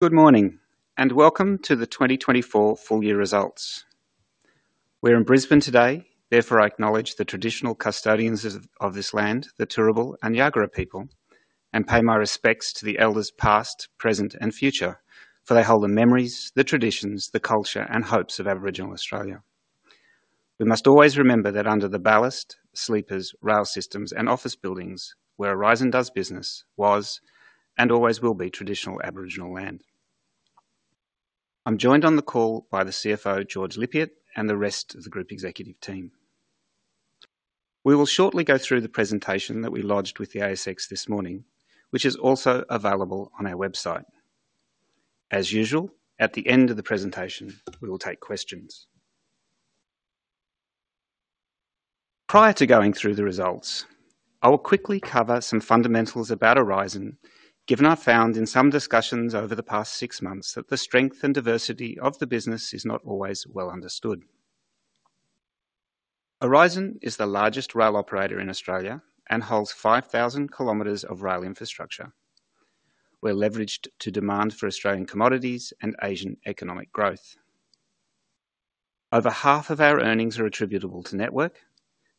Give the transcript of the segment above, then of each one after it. Good morning, and welcome to the 2024 full year results. We're in Brisbane today. Therefore, I acknowledge the traditional custodians of this land, the Turrbal and Jagera people, and pay my respects to the elders past, present, and future, for they hold the memories, the traditions, the culture, and hopes of Aboriginal Australia. We must always remember that under the ballast, sleepers, rail systems and office buildings where Aurizon does business was and always will be traditional Aboriginal land. I'm joined on the call by the CFO, George Lippiatt, and the rest of the group executive team. We will shortly go through the presentation that we lodged with the ASX this morning, which is also available on our website. As usual, at the end of the presentation, we will take questions. Prior to going through the results, I will quickly cover some fundamentals about Aurizon, given I've found in some discussions over the past six months that the strength and diversity of the business is not always well understood. Aurizon is the largest rail operator in Australia and holds 5,000 km of rail infrastructure. We're leveraged to demand for Australian commodities and Asian economic growth. Over half of our earnings are attributable to Network,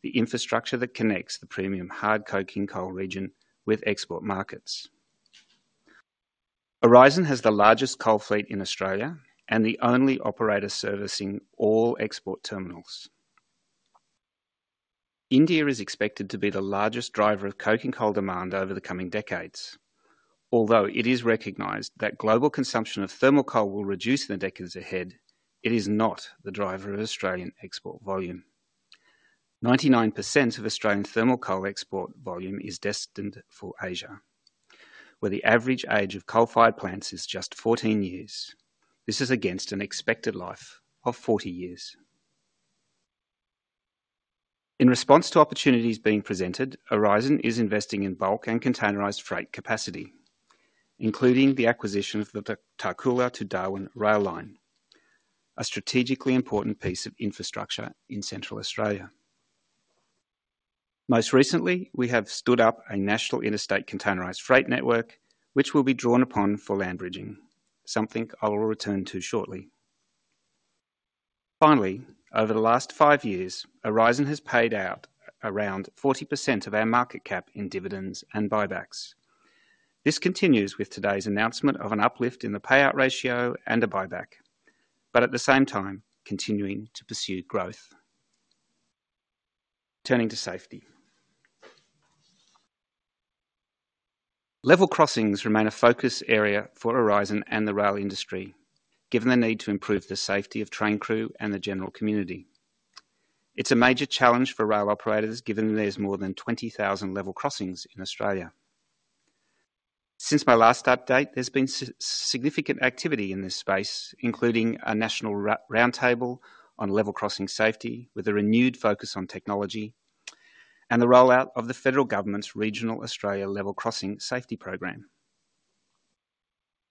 the infrastructure that connects the premium coking coal region with export markets. Aurizon has the largest coal fleet in Australia and the only operator servicing all export terminals. India is expected to be the largest driver of coking coal demand over the coming decades. Although it is recognized that global consumption of thermal coal will reduce in the decades ahead, it is not the driver of Australian export volume. 99% of Australian thermal coal export volume is destined for Asia, where the average age of coal-fired plants is just 14 years. This is against an expected life of 40 years. In response to opportunities being presented, Aurizon is investing in bulk and containerized freight capacity, including the acquisition of the Tarcoola to Darwin rail line, a strategically important piece of infrastructure in Central Australia. Most recently, we have stood up a national interstate containerized freight network, which will be drawn upon for land bridging, something I will return to shortly. Finally, over the last five years, Aurizon has paid out around 40% of our market cap in dividends and buybacks. This continues with today's announcement of an uplift in the payout ratio and a buyback, but at the same time, continuing to pursue growth. Turning to safety. Level crossings remain a focus area for Aurizon and the rail industry, given the need to improve the safety of train crew and the general community. It's a major challenge for rail operators, given there's more than 20,000 level crossings in Australia. Since my last update, there's been significant activity in this space, including a national roundtable on level crossing safety, with a renewed focus on technology, and the rollout of the federal government's Regional Australia Level Crossing Safety Program.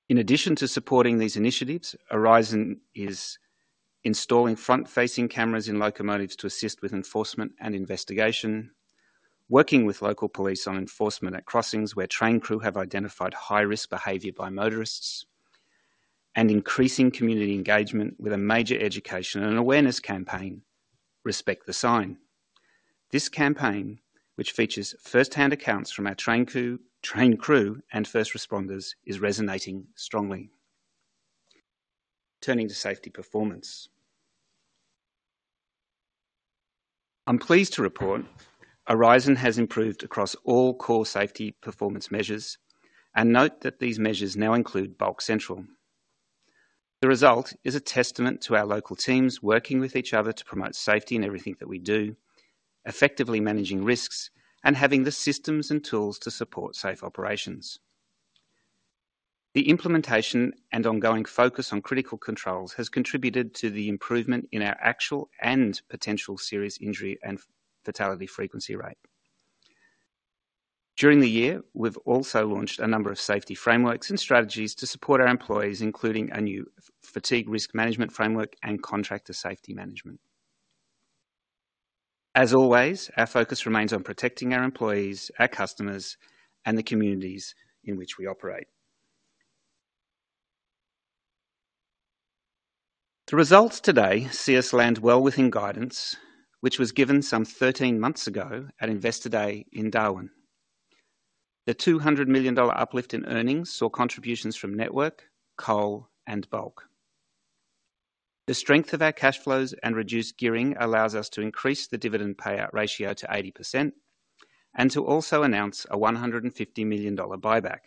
In addition to supporting these initiatives, Aurizon is installing front-facing cameras in locomotives to assist with enforcement and investigation, working with local police on enforcement at crossings where train crew have identified high-risk behavior by motorists, and increasing community engagement with a major education and awareness campaign, Respect the Sign. This campaign, which features first-hand accounts from our train crew and first responders, is resonating strongly. Turning to safety performance. I'm pleased to report Aurizon has improved across all core safety performance measures, and note that these measures now include Bulk Central. The result is a testament to our local teams working with each other to promote safety in everything that we do, effectively managing risks, and having the systems and tools to support safe operations. The implementation and ongoing focus on critical controls has contributed to the improvement in our actual and potential serious injury and fatality frequency rate. During the year, we've also launched a number of safety frameworks and strategies to support our employees, including a new Fatigue Risk Management framework and Contractor Safety Management. As always, our focus remains on protecting our employees, our customers, and the communities in which we operate. The results today see us land well within guidance, which was given some 13 months ago at Investor Day in Darwin. The 200 million dollar uplift in earnings saw contributions from network, coal, and bulk. The strength of our cash flows and reduced gearing allows us to increase the dividend payout ratio to 80% and to also announce an 150 million dollar buyback.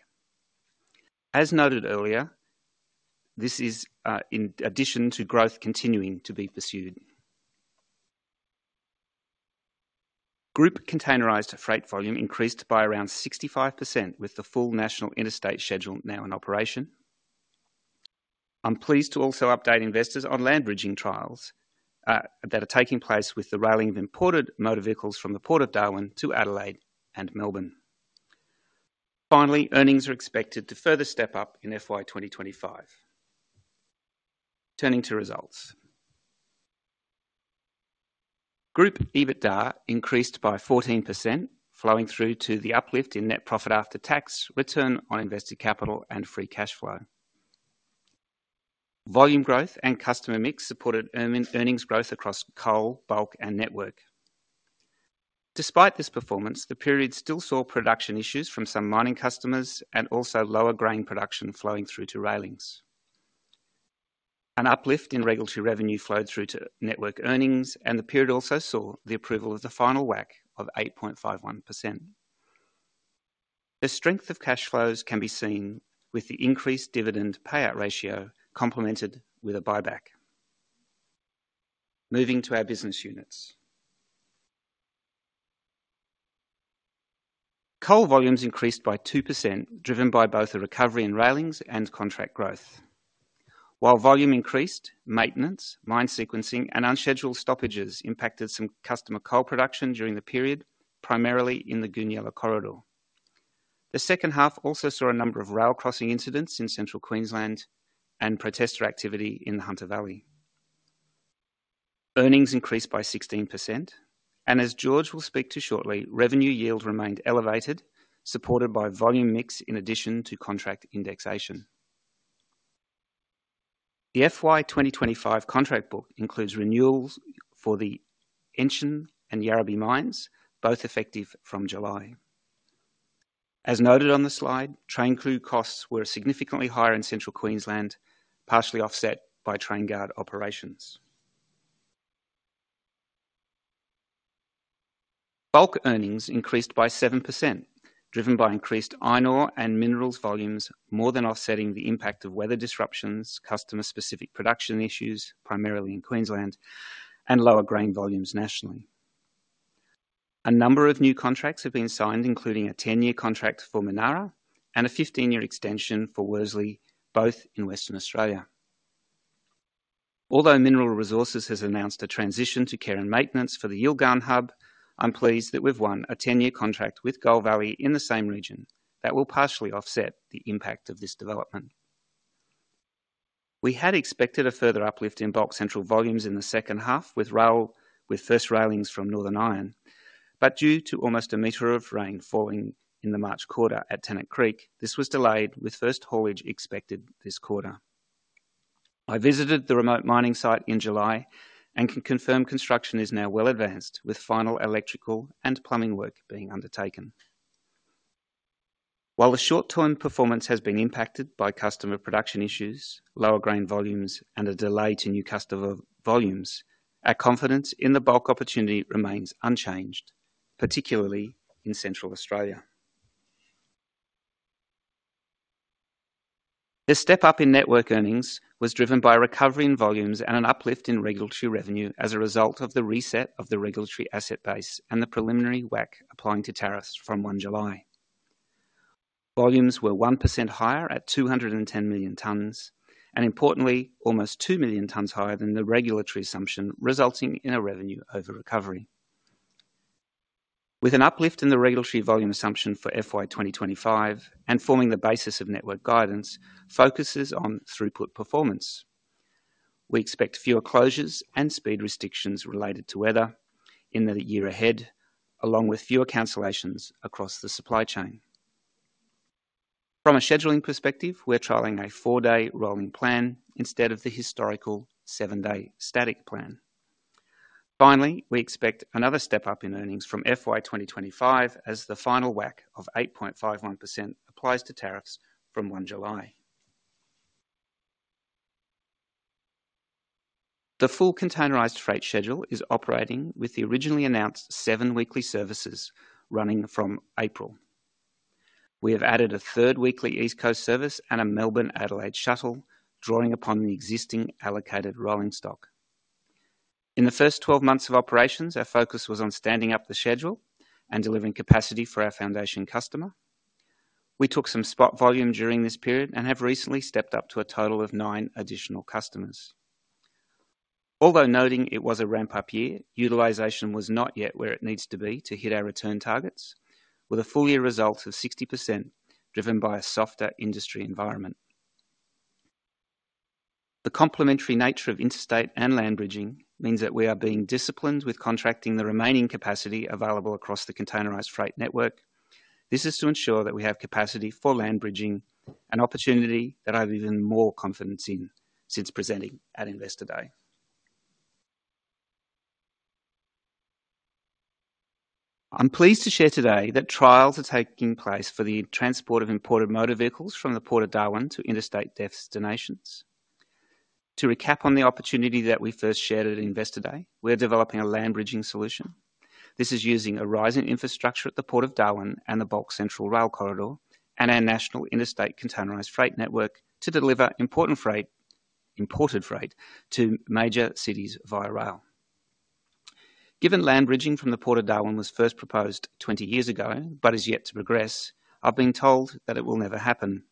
As noted earlier, this is, in addition to growth continuing to be pursued. Group containerized freight volume increased by around 65% with the full national interstate schedule now in operation. I'm pleased to also update investors on land bridging trials, that are taking place with the railing of imported motor vehicles from the Port of Darwin to Adelaide and Melbourne. Finally, earnings are expected to further step up in FY 2025. Turning to results. Group EBITDA increased by 14%, flowing through to the uplift in net profit after tax, return on invested capital, and free cash flow. Volume growth and customer mix supported earnings growth across coal, bulk, and network. Despite this performance, the period still saw production issues from some mining customers and also lower grain production flowing through to railings. An uplift in regulatory revenue flowed through to network earnings, and the period also saw the approval of the final WACC of 8.51%. The strength of cash flows can be seen with the increased dividend payout ratio, complemented with a buyback. Moving to our business units. Coal volumes increased by 2%, driven by both the recovery in railings and contract growth. While volume increased, maintenance, mine sequencing, and unscheduled stoppages impacted some customer coal production during the period, primarily in the Goonyella corridor. The second half also saw a number of rail crossing incidents in Central Queensland and protester activity in the Hunter Valley. Earnings increased by 16%, and as George will speak to shortly, revenue yield remained elevated, supported by volume mix in addition to contract indexation. The FY 2025 contract book includes renewals for the Ensham and Yarrabee mines, both effective from July. As noted on the slide, train crew costs were significantly higher in Central Queensland, partially offset by TrainGuard operations. Bulk earnings increased by 7%, driven by increased iron ore and minerals volumes, more than offsetting the impact of weather disruptions, customer-specific production issues, primarily in Queensland, and lower grain volumes nationally. A number of new contracts have been signed, including a 10-year contract for Minara and a 15-year extension for Worsley, both in Western Australia. Although Mineral Resources has announced a transition to care and maintenance for the Yilgarn Hub, I'm pleased that we've won a 10-year contract with Gold Valley in the same region that will partially offset the impact of this development. We had expected a further uplift in Bulk Central volumes in the second half, with first railings from Northern Iron, but due to almost 1 m of rain falling in the March quarter at Tennant Creek, this was delayed, with first haulage expected this quarter. I visited the remote mining site in July and can confirm construction is now well advanced, with final electrical and plumbing work being undertaken. While the short-term performance has been impacted by customer production issues, lower grain volumes, and a delay to new customer volumes, our confidence in the bulk opportunity remains unchanged, particularly in Central Australia. The step-up in network earnings was driven by a recovery in volumes and an uplift in regulatory revenue as a result of the reset of the regulatory asset base and the preliminary WACC applying to tariffs from 1 July. Volumes were 1% higher at 210 million tons, and importantly, almost 2 million tons higher than the regulatory assumption, resulting in a revenue overrecovery. With an uplift in the regulatory volume assumption for FY 2025 and forming the basis of network guidance, focuses on throughput performance. We expect fewer closures and speed restrictions related to weather in the year ahead, along with fewer cancellations across the supply chain. From a scheduling perspective, we're trialing a four day rolling plan instead of the historical seven day static plan. Finally, we expect another step-up in earnings from FY 2025, as the final WACC of 8.51% applies to tariffs from 1 July. The full containerized freight schedule is operating with the originally announced seven weekly services running from April. We have added a third weekly East Coast service and a Melbourne-Adelaide shuttle, drawing upon the existing allocated rolling stock. In the first 12 months of operations, our focus was on standing up the schedule and delivering capacity for our foundation customer. We took some spot volume during this period and have recently stepped up to a total of nine additional customers. Although noting it was a ramp-up year, utilization was not yet where it needs to be to hit our return targets, with a full year result of 60%, driven by a softer industry environment. The complementary nature of interstate and land bridging means that we are being disciplined with contracting the remaining capacity available across the containerized freight network. This is to ensure that we have capacity for land bridging, an opportunity that I have even more confidence in since presenting at Investor Day. I'm pleased to share today that trials are taking place for the transport of imported motor vehicles from the Port of Darwin to interstate destinations. To recap on the opportunity that we first shared at Investor Day, we're developing a land bridging solution. This is using existing infrastructure at the Port of Darwin and the Bulk Central Rail Corridor and our national interstate containerized freight network to deliver important freight, imported freight to major cities via rail. Given Land Bridging from the Port of Darwin was first proposed 20 years ago, but is yet to progress, I've been told that it will never happen.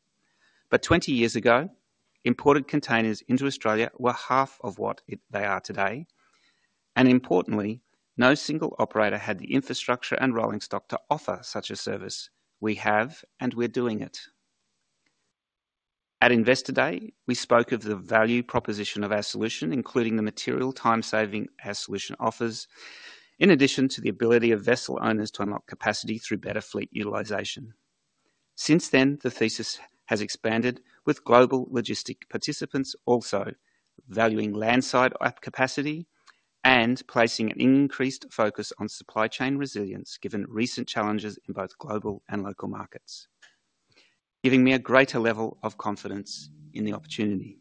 But 20 years ago, imported containers into Australia were half of what they are today, and importantly, no single operator had the infrastructure and rolling stock to offer such a service. We have, and we're doing it. At Investor Day, we spoke of the value proposition of our solution, including the material time saving our solution offers, in addition to the ability of vessel owners to unlock capacity through better fleet utilization. Since then, the thesis has expanded with global logistics participants also valuing landside capacity and placing an increased focus on supply chain resilience, given recent challenges in both global and local markets, giving me a greater level of confidence in the opportunity.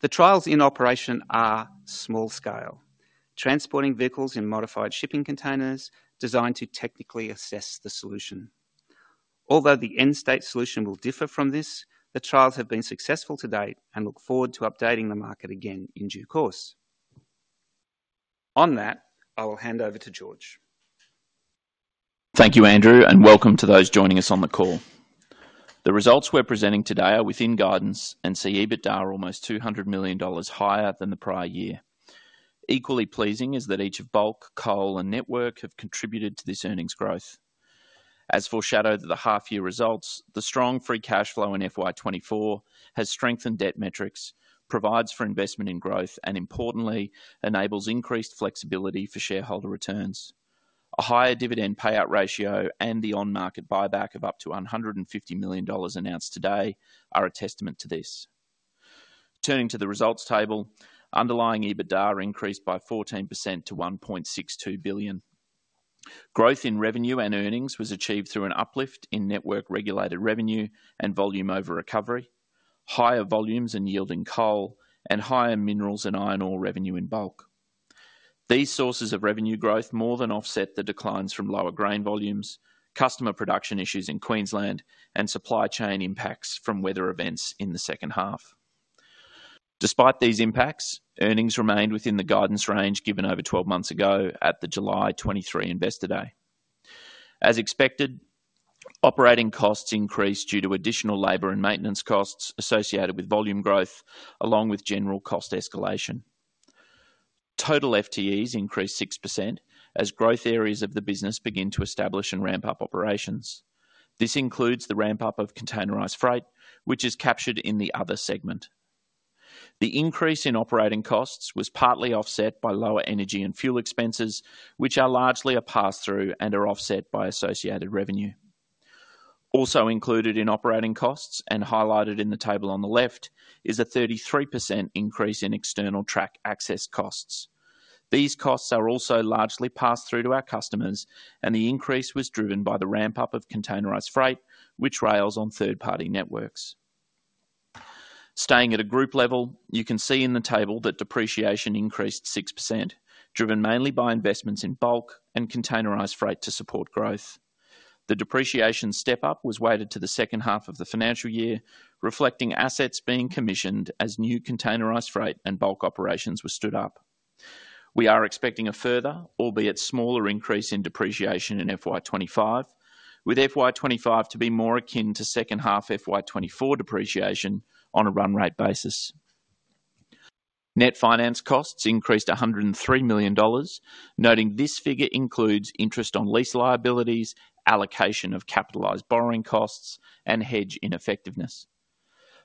The trials in operation are small scale, transporting vehicles in modified shipping containers designed to technically assess the solution. Although the end state solution will differ from this, the trials have been successful to date and look forward to updating the market again in due course. On that, I will hand over to George. Thank you, Andrew, and welcome to those joining us on the call. The results we're presenting today are within guidance and EBITDA is almost 200 million dollars higher than the prior year. Equally pleasing is that each of Bulk, Coal, and Network have contributed to this earnings growth. As foreshadowed at the half year results, the strong free cash flow in FY 2024 has strengthened debt metrics, provides for investment in growth, and importantly, enables increased flexibility for shareholder returns. A higher dividend payout ratio and the on-market buyback of up to 150 million dollars announced today are a testament to this. Turning to the results table, underlying EBITDA increased by 14% to 1.62 billion. Growth in revenue and earnings was achieved through an uplift in network regulated revenue and volume over recovery, higher volumes and yield in coal, and higher minerals and iron ore revenue in bulk. These sources of revenue growth more than offset the declines from lower grain volumes, customer production issues in Queensland, and supply chain impacts from weather events in the second half. Despite these impacts, earnings remained within the guidance range given over 12 months ago at the July 2023 Investor Day. As expected, operating costs increased due to additional labor and maintenance costs associated with volume growth, along with general cost escalation. Total FTEs increased 6% as growth areas of the business begin to establish and ramp up operations. This includes the ramp-up of containerized freight, which is captured in the other segment. The increase in operating costs was partly offset by lower energy and fuel expenses, which are largely a pass-through and are offset by associated revenue. Also included in operating costs, and highlighted in the table on the left, is a 33% increase in external track access costs. These costs are also largely passed through to our customers, and the increase was driven by the ramp-up of containerized freight, which rails on third-party networks. Staying at a group level, you can see in the table that depreciation increased 6%, driven mainly by investments in bulk and containerized freight to support growth. The depreciation step up was weighted to the second half of the financial year, reflecting assets being commissioned as new containerized freight and bulk operations were stood up. We are expecting a further, albeit smaller, increase in depreciation in FY 2025, with FY 2025 to be more akin to second half FY 2024 depreciation on a run rate basis. Net finance costs increased 103 million dollars, noting this figure includes interest on lease liabilities, allocation of capitalized borrowing costs, and hedge ineffectiveness.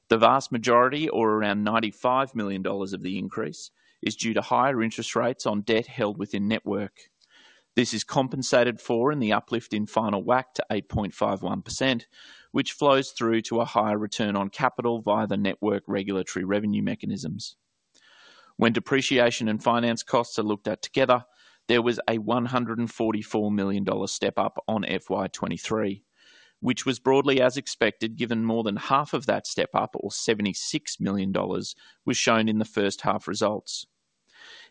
The vast majority, or around 95 million dollars of the increase, is due to higher interest rates on debt held within network. This is compensated for in the uplift in final WACC to 8.51%, which flows through to a higher return on capital via the network regulatory revenue mechanisms. When depreciation and finance costs are looked at together, there was an 144 million dollar step-up on FY 2023, which was broadly as expected, given more than half of that step-up, or 76 million dollars, was shown in the first half results.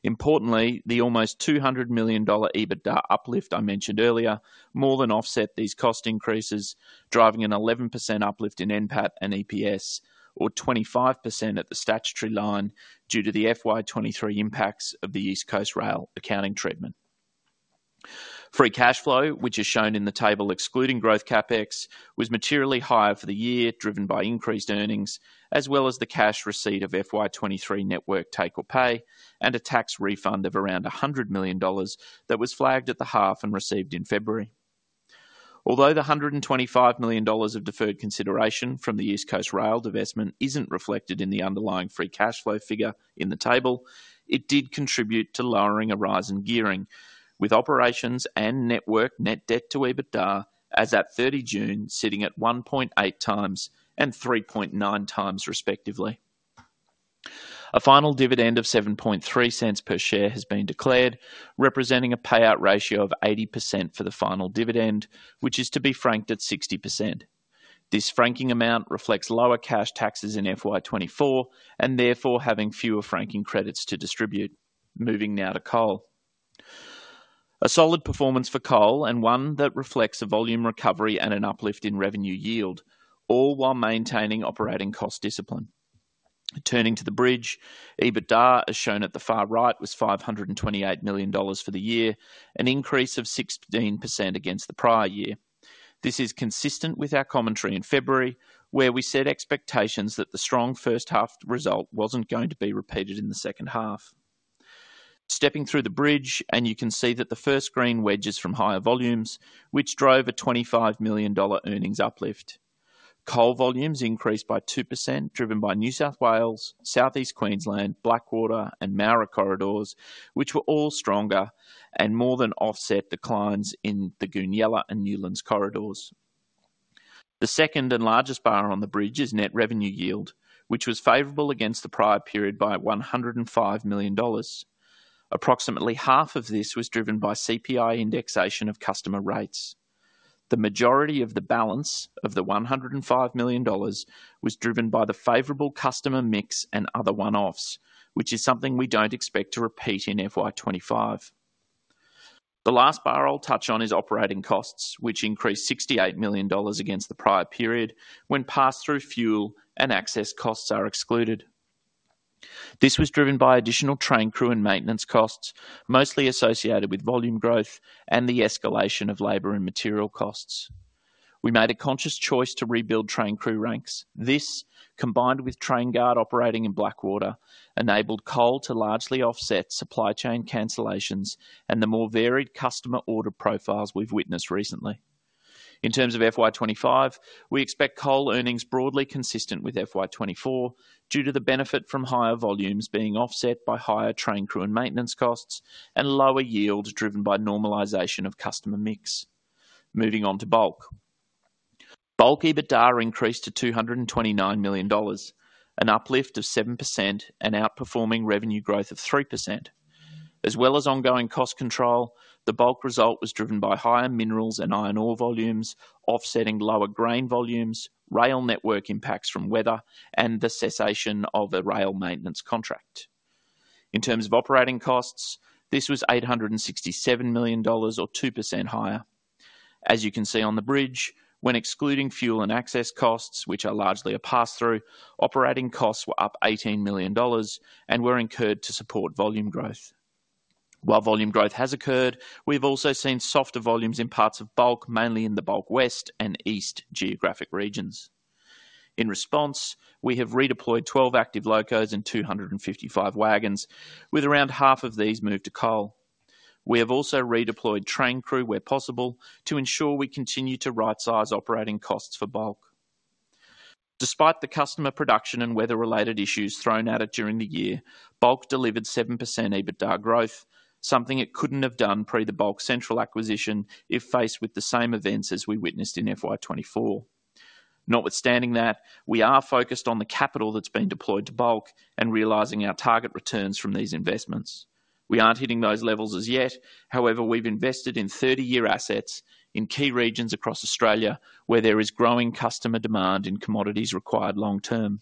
Importantly, the almost 200 million dollar EBITDA uplift I mentioned earlier, more than offset these cost increases, driving an 11% uplift in NPAT and EPS, or 25% at the statutory line due to the FY 2023 impacts of the East Coast Rail accounting treatment. Free cash flow, which is shown in the table excluding growth CapEx, was materially higher for the year, driven by increased earnings, as well as the cash receipt of FY 2023 network take or pay, and a tax refund of around 100 million dollars that was flagged at the half and received in February. Although the 125 million dollars of deferred consideration from the East Coast Rail divestment isn't reflected in the underlying free cash flow figure in the table, it did contribute to lowering a rise in gearing, with operations and network net debt to EBITDA as at 30 June, sitting at 1.8 times and 3.9 times, respectively. A final dividend of 0.073 per share has been declared, representing a payout ratio of 80% for the final dividend, which is to be franked at 60%. This franking amount reflects lower cash taxes in FY 2024 and therefore having fewer franking credits to distribute. Moving now to coal. A solid performance for coal, and one that reflects a volume recovery and an uplift in revenue yield, all while maintaining operating cost discipline. Turning to the bridge, EBITDA, as shown at the far right, was 528 million dollars for the year, an increase of 16% against the prior year. This is consistent with our commentary in February, where we set expectations that the strong first half result wasn't going to be repeated in the second half. Stepping through the bridge, and you can see that the first green wedge is from higher volumes, which drove a 25 million dollar earnings uplift. Coal volumes increased by 2%, driven by New South Wales, Southeast Queensland, Blackwater, and Moura corridors, which were all stronger and more than offset declines in the Goonyella and Newlands corridors. The second and largest bar on the bridge is net revenue yield, which was favorable against the prior period by 105 million dollars. Approximately half of this was driven by CPI indexation of customer rates. The majority of the balance of the 105 million dollars was driven by the favorable customer mix and other one-offs, which is something we don't expect to repeat in FY 25. The last bar I'll touch on is operating costs, which increased 68 million dollars against the prior period when pass-through fuel and access costs are excluded. This was driven by additional train crew and maintenance costs, mostly associated with volume growth and the escalation of labor and material costs. We made a conscious choice to rebuild train crew ranks. This, combined with TrainGuard operating in Blackwater, enabled coal to largely offset supply chain cancellations and the more varied customer order profiles we've witnessed recently. In terms of FY 25, we expect coal earnings broadly consistent with FY 24, due to the benefit from higher volumes being offset by higher train crew and maintenance costs and lower yields driven by normalization of customer mix. Moving on to Bulk. Bulk EBITDA increased to 229 million dollars, an uplift of 7% and outperforming revenue growth of 3%. As well as ongoing cost control, the bulk result was driven by higher minerals and iron ore volumes, offsetting lower grain volumes, rail network impacts from weather, and the cessation of a rail maintenance contract. In terms of operating costs, this was 867 million dollars or 2% higher. As you can see on the bridge, when excluding fuel and access costs, which are largely a pass-through, operating costs were up 18 million dollars and were incurred to support volume growth. While volume growth has occurred, we've also seen softer volumes in parts of Bulk, mainly in the Bulk West and East geographic regions. In response, we have redeployed 12 active locos and 255 wagons, with around half of these moved to Coal. We have also redeployed train crew where possible to ensure we continue to rightsize operating costs for Bulk. Despite the customer production and weather-related issues thrown at it during the year, Bulk delivered 7% EBITDA growth, something it couldn't have done pre the Bulk Central acquisition if faced with the same events as we witnessed in FY 2024. Notwithstanding that, we are focused on the capital that's been deployed to Bulk and realizing our target returns from these investments. We aren't hitting those levels as yet. However, we've invested in 30-year assets in key regions across Australia, where there is growing customer demand in commodities required long term.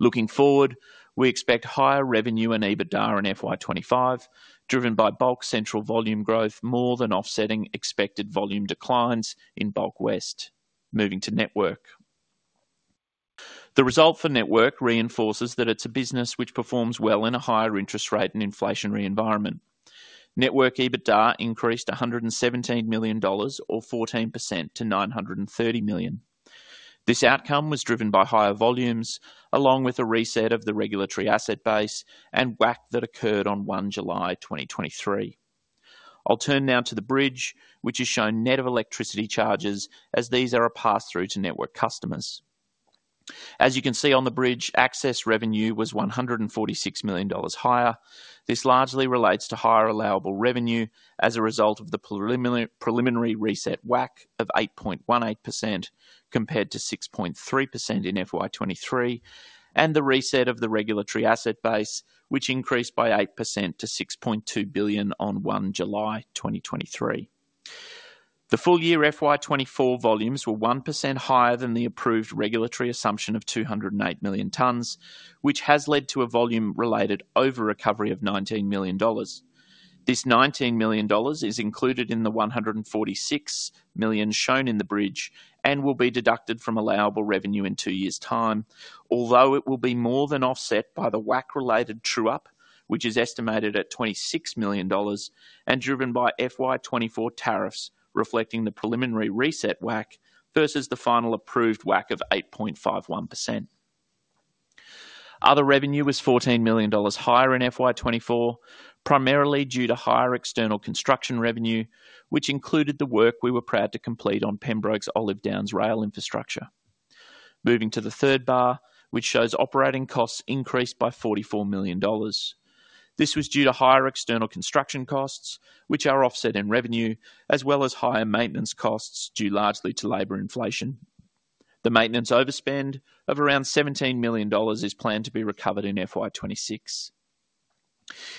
Looking forward, we expect higher revenue and EBITDA in FY 2025, driven by Bulk Central volume growth, more than offsetting expected volume declines in Bulk West. Moving to Network. The result for Network reinforces that it's a business which performs well in a higher interest rate and inflationary environment. Network EBITDA increased 117 million dollars, or 14% to 930 million. This outcome was driven by higher volumes, along with a reset of the regulatory asset base and WACC that occurred on 1 July 2023. I'll turn now to the bridge, which is shown net of electricity charges, as these are a pass-through to network customers. As you can see on the bridge, access revenue was 146 million dollars higher. This largely relates to higher allowable revenue as a result of the preliminary reset WACC of 8.18%, compared to 6.3% in FY 2023, and the reset of the regulatory asset base, which increased by 8% to 6.2 billion on 1 July 2023. The full year FY 2024 volumes were 1% higher than the approved regulatory assumption of 208 million tons, which has led to a volume-related over recovery of 19 million dollars. This 19 million dollars is included in the 146 million shown in the bridge and will be deducted from allowable revenue in two years' time. Although it will be more than offset by the WACC-related true-up, which is estimated at 26 million dollars and driven by FY 2024 tariffs, reflecting the preliminary reset WACC versus the final approved WACC of 8.51%. Other revenue was 14 million dollars higher in FY 2024, primarily due to higher external construction revenue, which included the work we were proud to complete on Pembroke's Olive Downs rail infrastructure. Moving to the third bar, which shows operating costs increased by 44 million dollars. This was due to higher external construction costs, which are offset in revenue, as well as higher maintenance costs, due largely to labor inflation. The maintenance overspend of around 17 million dollars is planned to be recovered in FY 2026.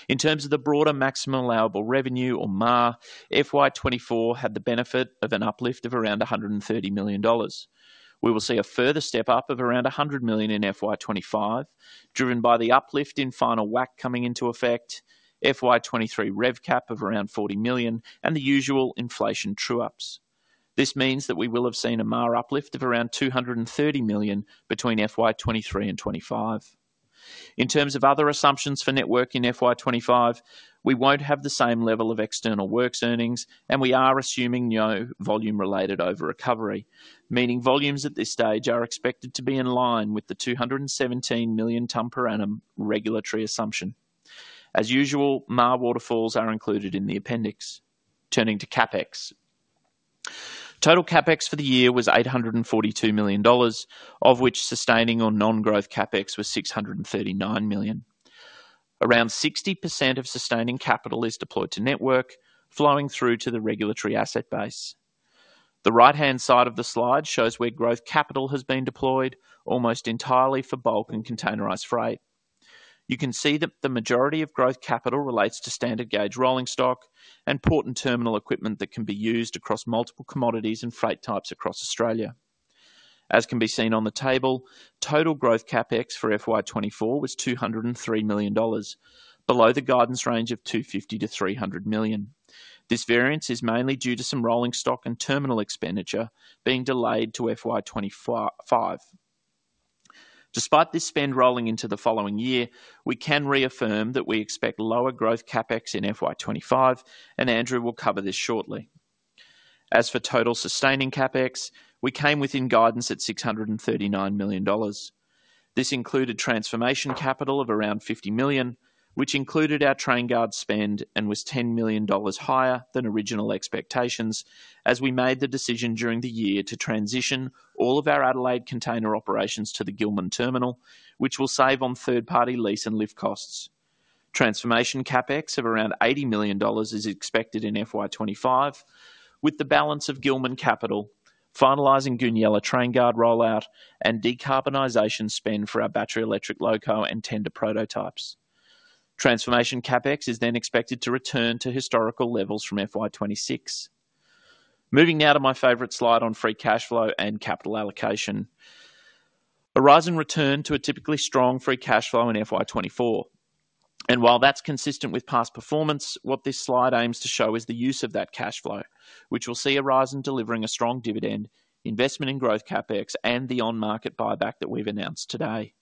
In terms of the broader maximum allowable revenue or MAR, FY 2024 had the benefit of an uplift of around 130 million dollars. We will see a further step-up of around 100 million in FY 2025, driven by the uplift in final WACC coming into effect, FY 2023 rev cap of around 40 million, and the usual inflation true-ups. This means that we will have seen a MAR uplift of around 230 million between FY 2023 and 2025. In terms of other assumptions for Network in FY 2025, we won't have the same level of external works earnings, and we are assuming no volume-related over recovery, meaning volumes at this stage are expected to be in line with the 217 million tons per annum regulatory assumption. As usual, MAR waterfalls are included in the appendix. Turning to CapEx. Total CapEx for the year was 842 million dollars, of which sustaining or non-growth CapEx was 639 million. Around 60% of sustaining capital is deployed to network, flowing through to the regulatory asset base. The right-hand side of the slide shows where growth capital has been deployed, almost entirely for bulk and containerized freight. You can see that the majority of growth capital relates to standard gauge rolling stock and port and terminal equipment that can be used across multiple commodities and freight types across Australia. As can be seen on the table, total growth CapEx for FY 2024 was 203 million dollars, below the guidance range of 250 million-300 million. This variance is mainly due to some rolling stock and terminal expenditure being delayed to FY 2025. Despite this spend rolling into the following year, we can reaffirm that we expect lower growth CapEx in FY 25, and Andrew will cover this shortly. As for total sustaining CapEx, we came within guidance at 639 million dollars. This included transformation capital of around 50 million, which included our TrainGuard spend and was 10 million dollars higher than original expectations, as we made the decision during the year to transition all of our Adelaide container operations to the Gillman Terminal, which will save on third-party lease and lift costs. Transformation CapEx of around 80 million dollars is expected in FY 25, with the balance of Gillman capital finalizing Goonyella TrainGuard rollout and decarbonization spend for our battery electric loco and tender prototypes. Transformation CapEx is then expected to return to historical levels from FY 26. Moving now to my favorite slide on free cash flow and capital allocation. Aurizon returned to a typically strong free cash flow in FY 2024, and while that's consistent with past performance, what this slide aims to show is the use of that cash flow, which will see Aurizon delivering a strong dividend, investment in growth CapEx, and the on-market buyback that we've announced today.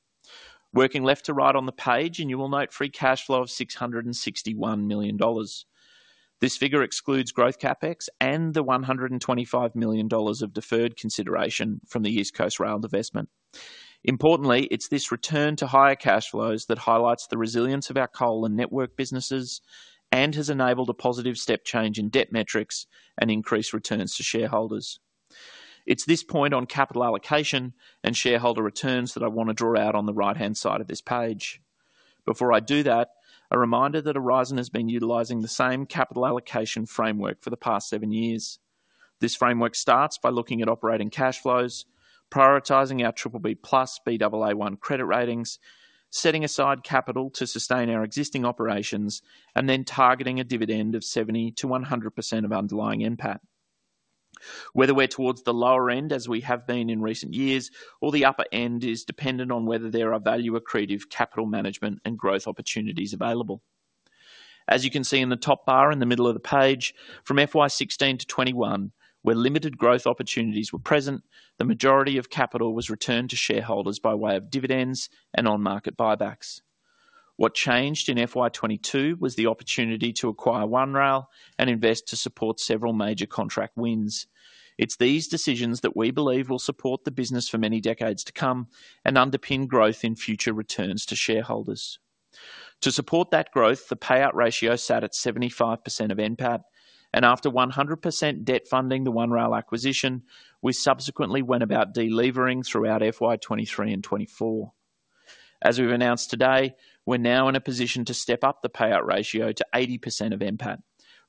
Working left to right on the page, and you will note free cash flow of 661 million dollars. This figure excludes growth CapEx and the 125 million dollars of deferred consideration from the East Coast Rail investment. Importantly, it's this return to higher cash flows that highlights the resilience of our coal and network businesses and has enabled a positive step change in debt metrics and increased returns to shareholders. It's this point on capital allocation and shareholder returns that I want to draw out on the right-hand side of this page. Before I do that, a reminder that Aurizon has been utilizing the same capital allocation framework for the past seven years. This framework starts by looking at operating cash flows, prioritizing our BBB+ Baa1 credit ratings, setting aside capital to sustain our existing operations, and then targeting a dividend of 70%-100% of underlying NPAT. Whether we're towards the lower end, as we have been in recent years, or the upper end, is dependent on whether there are value-accretive, capital management, and growth opportunities available. As you can see in the top bar in the middle of the page, from FY16-21, where limited growth opportunities were present, the majority of capital was returned to shareholders by way of dividends and on-market buybacks. What changed in FY22 was the opportunity to acquire One Rail and invest to support several major contract wins. It's these decisions that we believe will support the business for many decades to come and underpin growth in future returns to shareholders. To support that growth, the payout ratio sat at 75% of NPAT, and after 100% debt funding the One Rail acquisition, we subsequently went about delevering throughout FY23 and 24. As we've announced today, we're now in a position to step up the payout ratio to 80% of NPAT,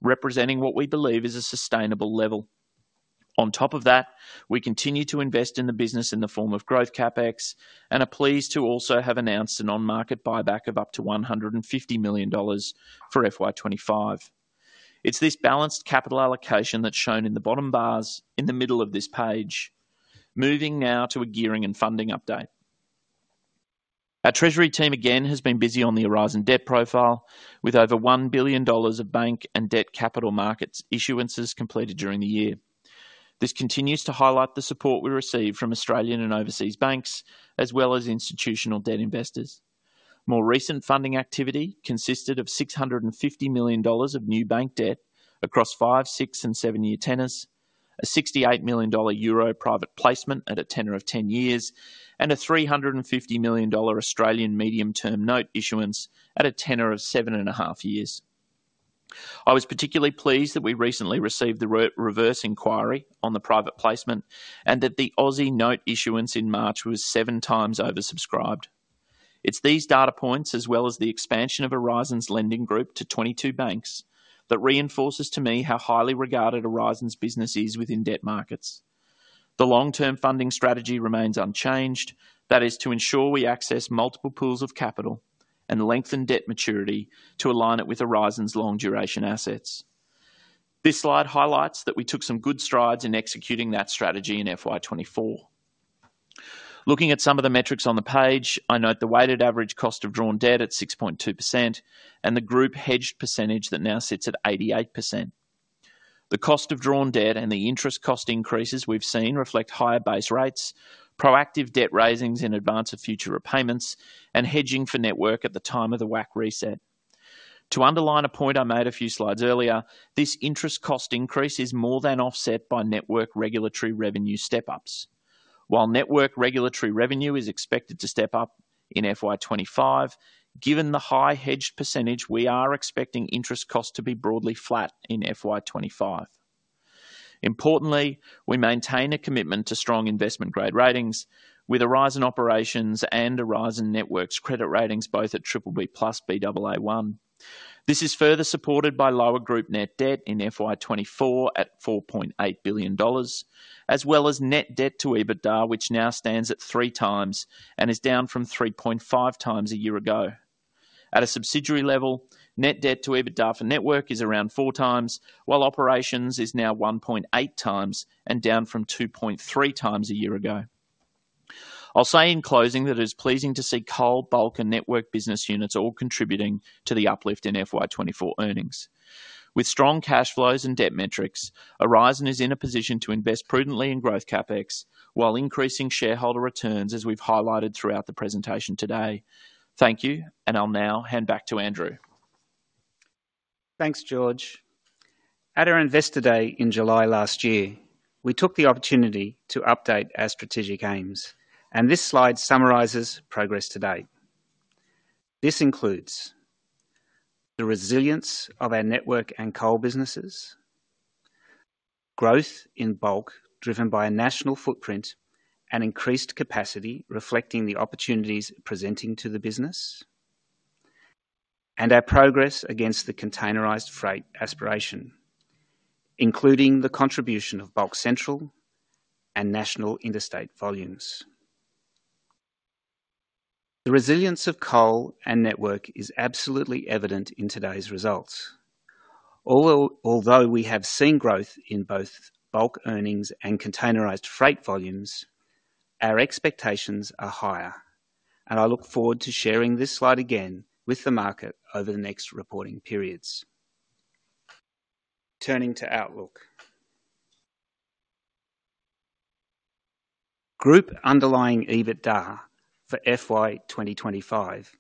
representing what we believe is a sustainable level. On top of that, we continue to invest in the business in the form of growth CapEx and are pleased to also have announced an on-market buyback of up to 150 million dollars for FY 2025. It's this balanced capital allocation that's shown in the bottom bars in the middle of this page. Moving now to a gearing and funding update. Our treasury team, again, has been busy on the Aurizon debt profile, with over 1 billion dollars of bank and debt capital markets issuances completed during the year. This continues to highlight the support we receive from Australian and overseas banks, as well as institutional debt investors. More recent funding activity consisted of 650 million dollars of new bank debt across five, six, and seven year tenors, a 68 million euro private placement at a tenor of 10 years, and a 350 million Australian dollars Australian medium-term note issuance at a tenor of 7.5 years. I was particularly pleased that we recently received the reverse inquiry on the private placement and that the Aussie note issuance in March was seven times oversubscribed. It's these data points, as well as the expansion of Aurizon's lending group to 22 banks, that reinforces to me how highly regarded Aurizon's business is within debt markets. The long-term funding strategy remains unchanged. That is to ensure we access multiple pools of capital and lengthen debt maturity to align it with Aurizon's long-duration assets. This slide highlights that we took some good strides in executing that strategy in FY 2024. Looking at some of the metrics on the page, I note the weighted average cost of drawn debt at 6.2% and the group hedged percentage that now sits at 88%. The cost of drawn debt and the interest cost increases we've seen reflect higher base rates, proactive debt raisings in advance of future repayments, and hedging for network at the time of the WACC reset. To underline a point I made a few slides earlier, this interest cost increase is more than offset by network regulatory revenue step-ups. While network regulatory revenue is expected to step up in FY 2025, given the high hedged percentage, we are expecting interest costs to be broadly flat in FY 2025. Importantly, we maintain a commitment to strong investment-grade ratings with Aurizon Operations and Aurizon Networks credit ratings, both at BBB+ BAA1. This is further supported by lower group net debt in FY 2024 at 4.8 billion dollars, as well as net debt to EBITDA, which now stands at 3x and is down from 3.5x a year ago. At a subsidiary level, net debt to EBITDA for network is around 4x, while operations is now 1.8x and down from 2.3x a year ago. I'll say in closing that it is pleasing to see coal, bulk, and network business units all contributing to the uplift in FY 2024 earnings. With strong cash flows and debt metrics, Aurizon is in a position to invest prudently in growth CapEx while increasing shareholder returns, as we've highlighted throughout the presentation today. Thank you, and I'll now hand back to Andrew. Thanks, George. At our Investor Day in July last year, we took the opportunity to update our strategic aims, and this slide summarizes progress to date. This includes the resilience of our network and coal businesses, growth in bulk, driven by a national footprint and increased capacity, reflecting the opportunities presenting to the business, and our progress against the containerized freight aspiration, including the contribution of Bulk Central and national interstate volumes. The resilience of coal and network is absolutely evident in today's results. Although we have seen growth in both bulk earnings and containerized freight volumes, our expectations are higher, and I look forward to sharing this slide again with the market over the next reporting periods. Turning to outlook. Group underlying EBITDA for FY 2025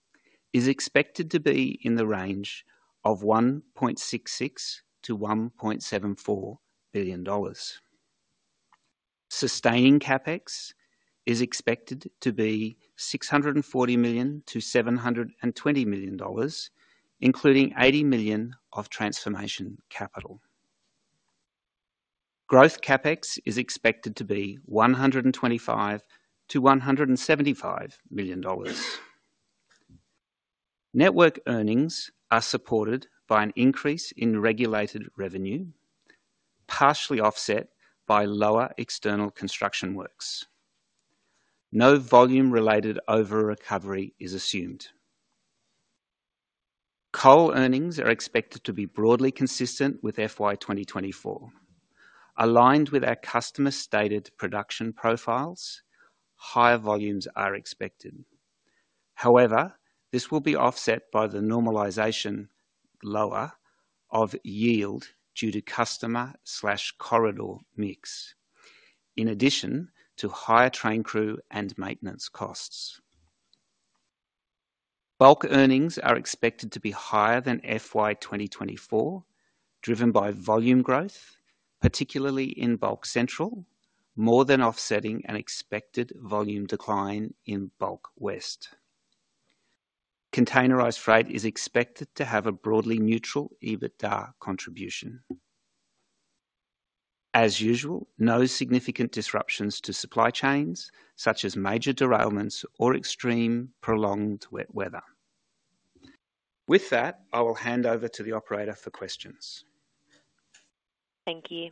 is expected to be in the range of 1.66 billion-1.74 billion dollars. Sustaining CapEx is expected to be 640 million-720 million dollars, including 80 million of transformation capital. Growth CapEx is expected to be 125 million-175 million dollars. Network earnings are supported by an increase in regulated revenue, partially offset by lower external construction works. No volume-related over-recovery is assumed. Coal earnings are expected to be broadly consistent with FY 2024. Aligned with our customer-stated production profiles, higher volumes are expected. However, this will be offset by the normalization, lower, of yield due to customer/corridor mix, in addition to higher train crew and maintenance costs. Bulk earnings are expected to be higher than FY 2024, driven by volume growth, particularly in Bulk Central, more than offsetting an expected volume decline in Bulk West. Containerized freight is expected to have a broadly neutral EBITDA contribution. As usual, no significant disruptions to supply chains, such as major derailments or extreme prolonged weather. With that, I will hand over to the operator for questions. Thank you.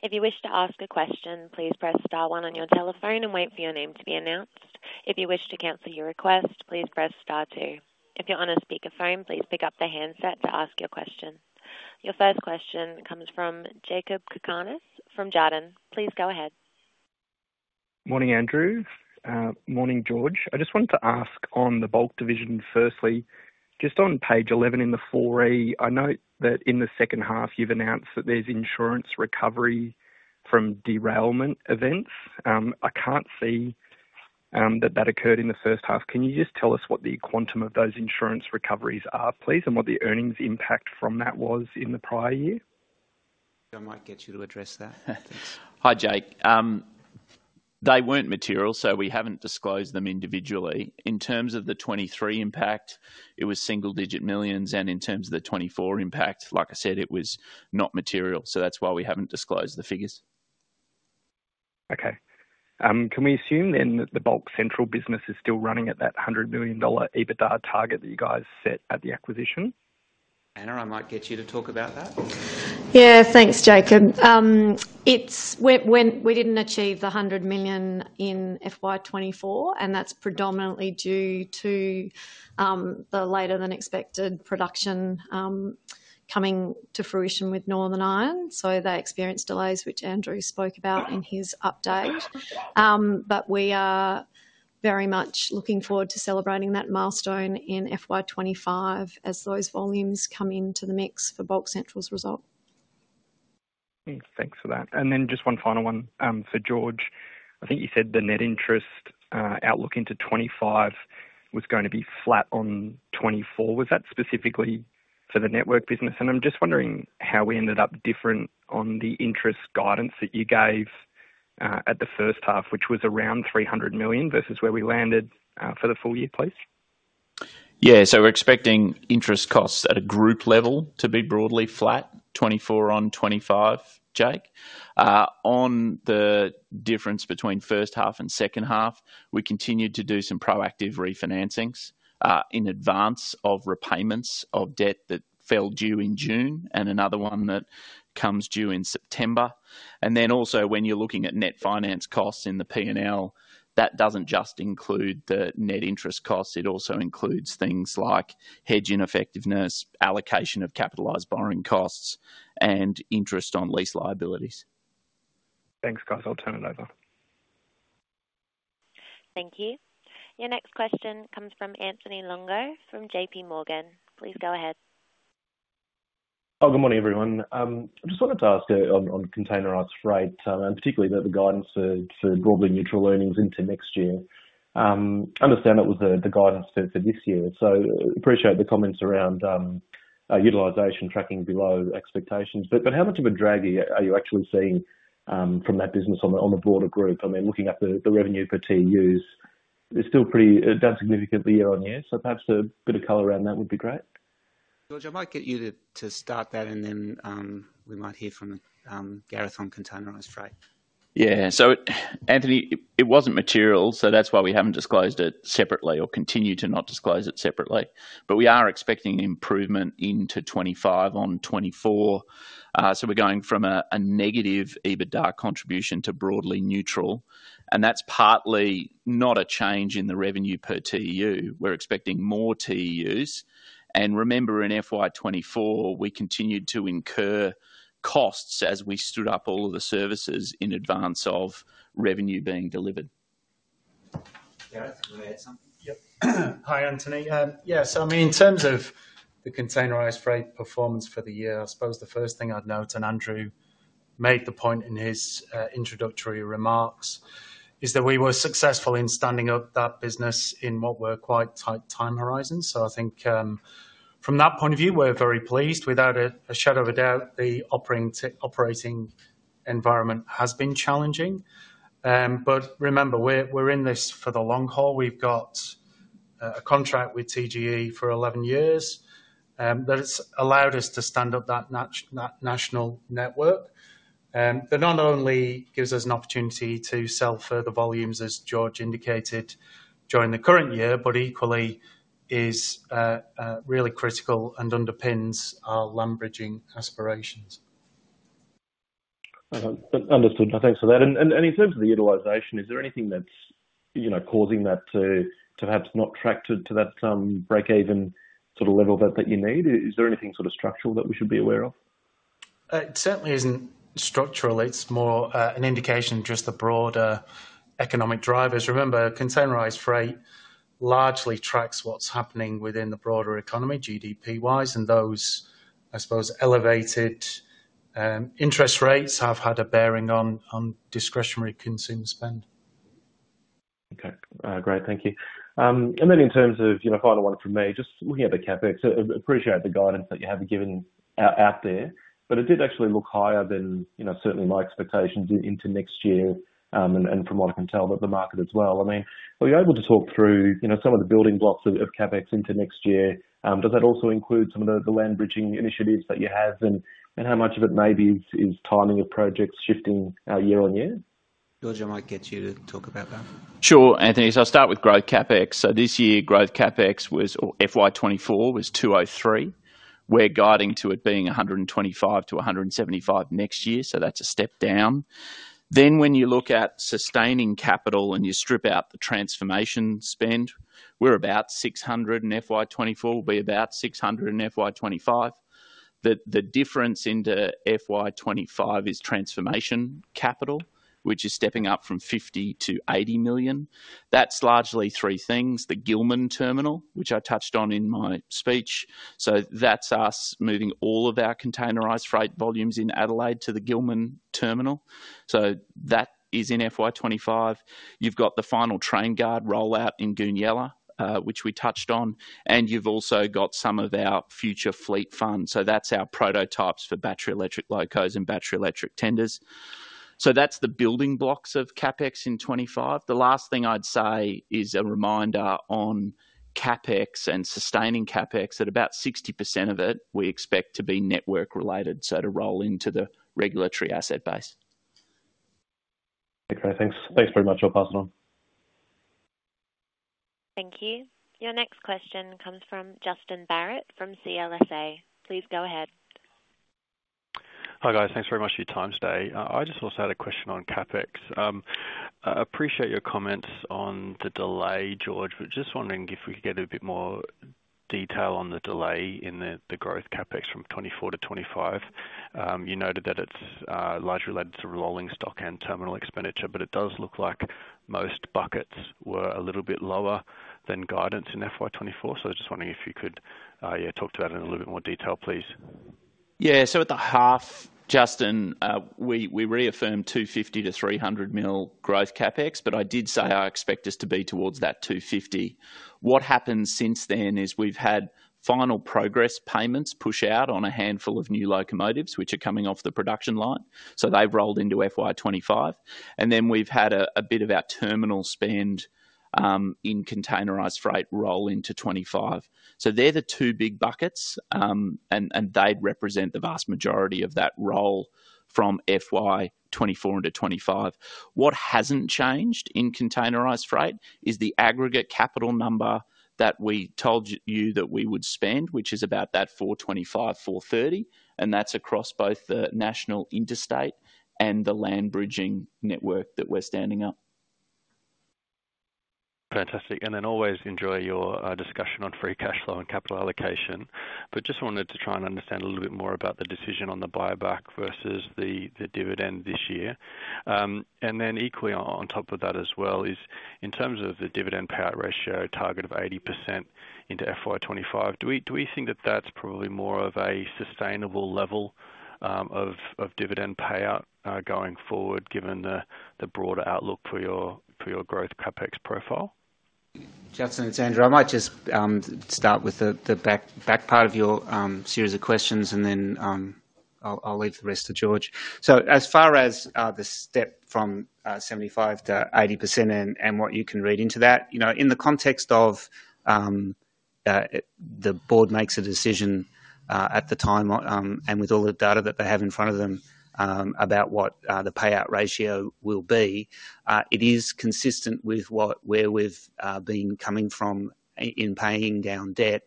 If you wish to ask a question, please press star one on your telephone and wait for your name to be announced. If you wish to cancel your request, please press star two. If you're on a speakerphone, please pick up the handset to ask your question. Your first question comes from Jakob Cakarnis, from Jarden. Please go ahead. Morning, Andrew. Morning, George. I just wanted to ask on the bulk division, firstly, just on page eleven in the 4A, I note that in the second half, you've announced that there's insurance recovery from derailment events. I can't see that that occurred in the first half. Can you just tell us what the quantum of those insurance recoveries are, please, and what the earnings impact from that was in the prior year? I might get you to address that. Hi, Jake. They weren't material, so we haven't disclosed them individually. In terms of the 2023 impact, it was AUD single-digit millions, and in terms of the 2024 impact, like I said, it was not material, so that's why we haven't disclosed the figures. Okay. Can we assume then that the Bulk Central business is still running at that 100 million dollar EBITDA target that you guys set at the acquisition? Anna, I might get you to talk about that. Yeah, thanks, Jacob. It's when we didn't achieve 100 million in FY 2024, and that's predominantly due to the later-than-expected production coming to fruition with Northern Iron, so they experienced delays, which Andrew spoke about in his update. But we are very much looking forward to celebrating that milestone in FY 2025 as those volumes come into the mix for Bulk Central's result. Thanks for that. And then just one final one, for George. I think you said the net interest outlook into 2025 was going to be flat on 2024. Was that specifically for the network business? And I'm just wondering how we ended up different on the interest guidance that you gave at the first half, which was around 300 million, versus where we landed for the full year, please? Yeah, so we're expecting interest costs at a group level to be broadly flat, 2024 on 2025, Jake. On the difference between first half and second half, we continued to do some proactive refinancings in advance of repayments of debt that fell due in June and another one that comes due in September. And then also when you're looking at net finance costs in the P&L, that doesn't just include the net interest costs, it also includes things like hedge ineffectiveness, allocation of capitalized borrowing costs, and interest on lease liabilities. Thanks, guys. I'll turn it over. Thank you. Your next question comes from Anthony Longo from J.P. Morgan. Please go ahead. Oh, good morning, everyone. I just wanted to ask, on, on containerized freight, and particularly about the guidance for, for broadly neutral earnings into next year. I understand that was the, the guidance for, for this year, so appreciate the comments around, utilization tracking below expectations. But, but how much of a drag are you, are you actually seeing, from that business on the, on the broader group? I mean, looking at the, the revenue per TUs, it's still pretty, it's down significantly year-on-year, so perhaps a bit of color around that would be great. George, I might get you to, to start that and then we might hear from Gareth on containerized freight. Yeah. So, Anthony, it wasn't material, so that's why we haven't disclosed it separately or continue to not disclose it separately. But we are expecting improvement into 2025 on 2024. So we're going from a negative EBITDA contribution to broadly neutral, and that's partly not a change in the revenue per TEU. We're expecting more TEUs. And remember, in FY 2024, we continued to incur costs as we stood up all of the services in advance of revenue being delivered. Gareth, you want to add something? Yep. Hi, Anthony. Yeah, so I mean, in terms of the containerized freight performance for the year, I suppose the first thing I'd note, and Andrew made the point in his introductory remarks, is that we were successful in standing up that business in what were quite tight time horizons. So I think, from that point of view, we're very pleased. Without a shadow of a doubt, the operating environment has been challenging. But remember, we're in this for the long haul. We've got a contract with TGE for 11 years that has allowed us to stand up that national network. That not only gives us an opportunity to sell further volumes, as George indicated, during the current year, but equally is really critical and underpins our land bridging aspirations. Huh, understood. Thanks for that. And in terms of the utilization, is there anything that's, you know, causing that to perhaps not track to that break even sort of level that you need? Is there anything sort of structural that we should be aware of? It certainly isn't structural. It's more, an indication, just the broader economic drivers. Remember, containerized freight largely tracks what's happening within the broader economy, GDP-wise, and those, I suppose, elevated, interest rates have had a bearing on, on discretionary consumer spend. Okay. Great, thank you. And then in terms of, you know, final one from me, just looking at the CapEx, so appreciate the guidance that you have given out there, but it did actually look higher than, you know, certainly my expectations into next year, and from what I can tell, that the market as well. I mean, were you able to talk through, you know, some of the building blocks of CapEx into next year? Does that also include some of the Land Bridging initiatives that you have, and how much of it maybe is timing of projects shifting, year on year? George, I might get you to talk about that. Sure, Anthony. So I'll start with growth CapEx. So this year, growth CapEx was, or FY 2024, was 203 million. We're guiding to it being 125 million-175 million next year, so that's a step down. Then, when you look at sustaining capital and you strip out the transformation spend, we're about 600 million, in FY 2024 will be about 600 million, in FY 2025. The difference into FY 2025 is transformation capital, which is stepping up from 50 million-80 million. That's largely three things: the Gillman Terminal, which I touched on in my speech. So that's us moving all of our containerized freight volumes in Adelaide to the Gillman Terminal. So that is in FY 2025. You've got the final TrainGuard rollout in Goonyella, which we touched on, and you've also got some of our future fleet funds. So that's our prototypes for battery electric locos and battery electric tenders. So that's the building blocks of CapEx in 2025. The last thing I'd say is a reminder on CapEx and sustaining CapEx. At about 60% of it, we expect to be network-related, so to roll into the regulatory asset base. Okay, great. Thanks. Thanks very much. I'll pass it on. Thank you. Your next question comes from Justin Barratt, from CLSA. Please go ahead. Hi, guys. Thanks very much for your time today. I just also had a question on CapEx. I appreciate your comments on the delay, George, but just wondering if we could get a bit more detail on the delay in the growth CapEx from 2024-2025. You noted that it's largely related to rolling stock and terminal expenditure, but it does look like most buckets were a little bit lower than guidance in FY 2024. So I was just wondering if you could, yeah, talk to that in a little bit more detail, please. Yeah, so at the half, Justin, we reaffirmed 250 million-300 million growth CapEx, but I did say I expect us to be towards that 250. What happened since then is we've had final progress payments push out on a handful of new locomotives, which are coming off the production line, so they've rolled into FY 2025. And then we've had a bit of our terminal spend in containerized freight roll into 2025. So they're the two big buckets, and they represent the vast majority of that roll from FY 2024 into 2025. What hasn't changed in containerized freight is the aggregate capital number that we told you that we would spend, which is about 425 million-430 million, and that's across both the national interstate and the land bridging network that we're standing up. Fantastic. And then always enjoy your discussion on free cash flow and capital allocation. But just wanted to try and understand a little bit more about the decision on the buyback versus the, the dividend this year. And then equally on top of that as well, is in terms of the dividend payout ratio target of 80% into FY 2025, do we, do we think that that's probably more of a sustainable level, of dividend payout, going forward, given the, the broader outlook for your, for your growth CapEx profile? Justin and Sandra, I might just start with the back part of your series of questions, and then, I'll leave the rest to George. So as far as the step from 75%-80% and what you can read into that, you know, in the context of the board makes a decision at the time and with all the data that they have in front of them about what the payout ratio will be, it is consistent with where we've been coming from in paying down debt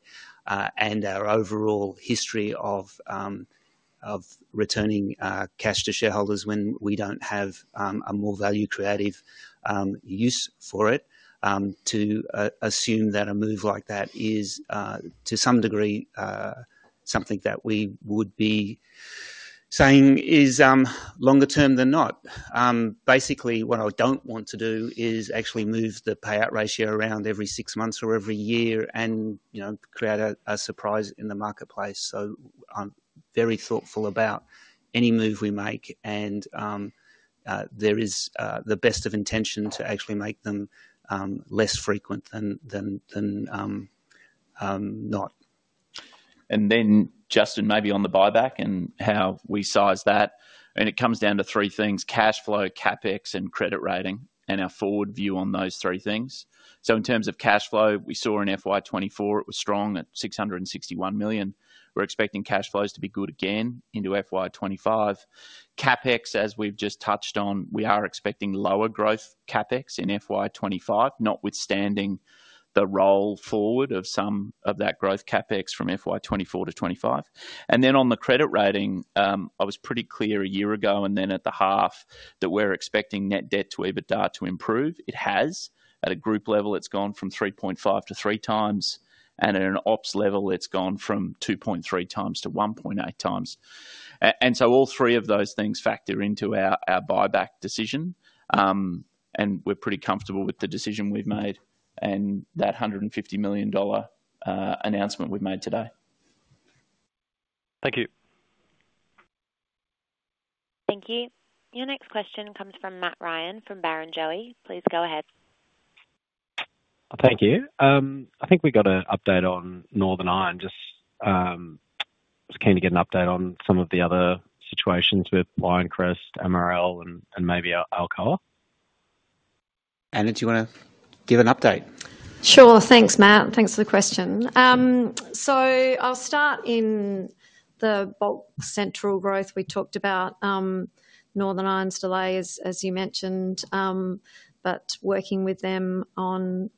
and our overall history of returning cash to shareholders when we don't have a more value creative use for it to assume that a move like that is to some degree something that we would be saying is longer term than not. Basically, what I don't want to do is actually move the payout ratio around every six months or every year and, you know, create a surprise in the marketplace. So I'm very thoughtful about any move we make, and there is the best of intention to actually make them less frequent than not. And then, Justin, maybe on the buyback and how we size that, and it comes down to three things: cash flow, CapEx, and credit rating, and our forward view on those three things. So in terms of cash flow, we saw in FY 2024, it was strong at 661 million. We're expecting cash flows to be good again into FY 2025. CapEx, as we've just touched on, we are expecting lower growth CapEx in FY 2025, notwithstanding the roll forward of some of that growth CapEx from FY 2024-2025. And then on the credit rating, I was pretty clear a year ago, and then at the half, that we're expecting net debt to EBITDA to improve. It has. At a group level, it's gone from 3.5-3 times, and at an ops level, it's gone from 2.3 times-1.8 times. And so all three of those things factor into our buyback decision, and we're pretty comfortable with the decision we've made and that 150 million dollar announcement we've made today. Thank you. Thank you. Your next question comes from Matt Ryan, from Barrenjoey. Please go ahead. Thank you. I think we got an update on Northern Iron. Just keen to get an update on some of the other situations with Lioncrest, MRL, and maybe Alcoa. Anna, do you wanna give an update? Sure. Thanks, Matt. Thanks for the question. So I'll start in the Bulk Central growth. We talked about Northern Iron's delays, as you mentioned, but working with them on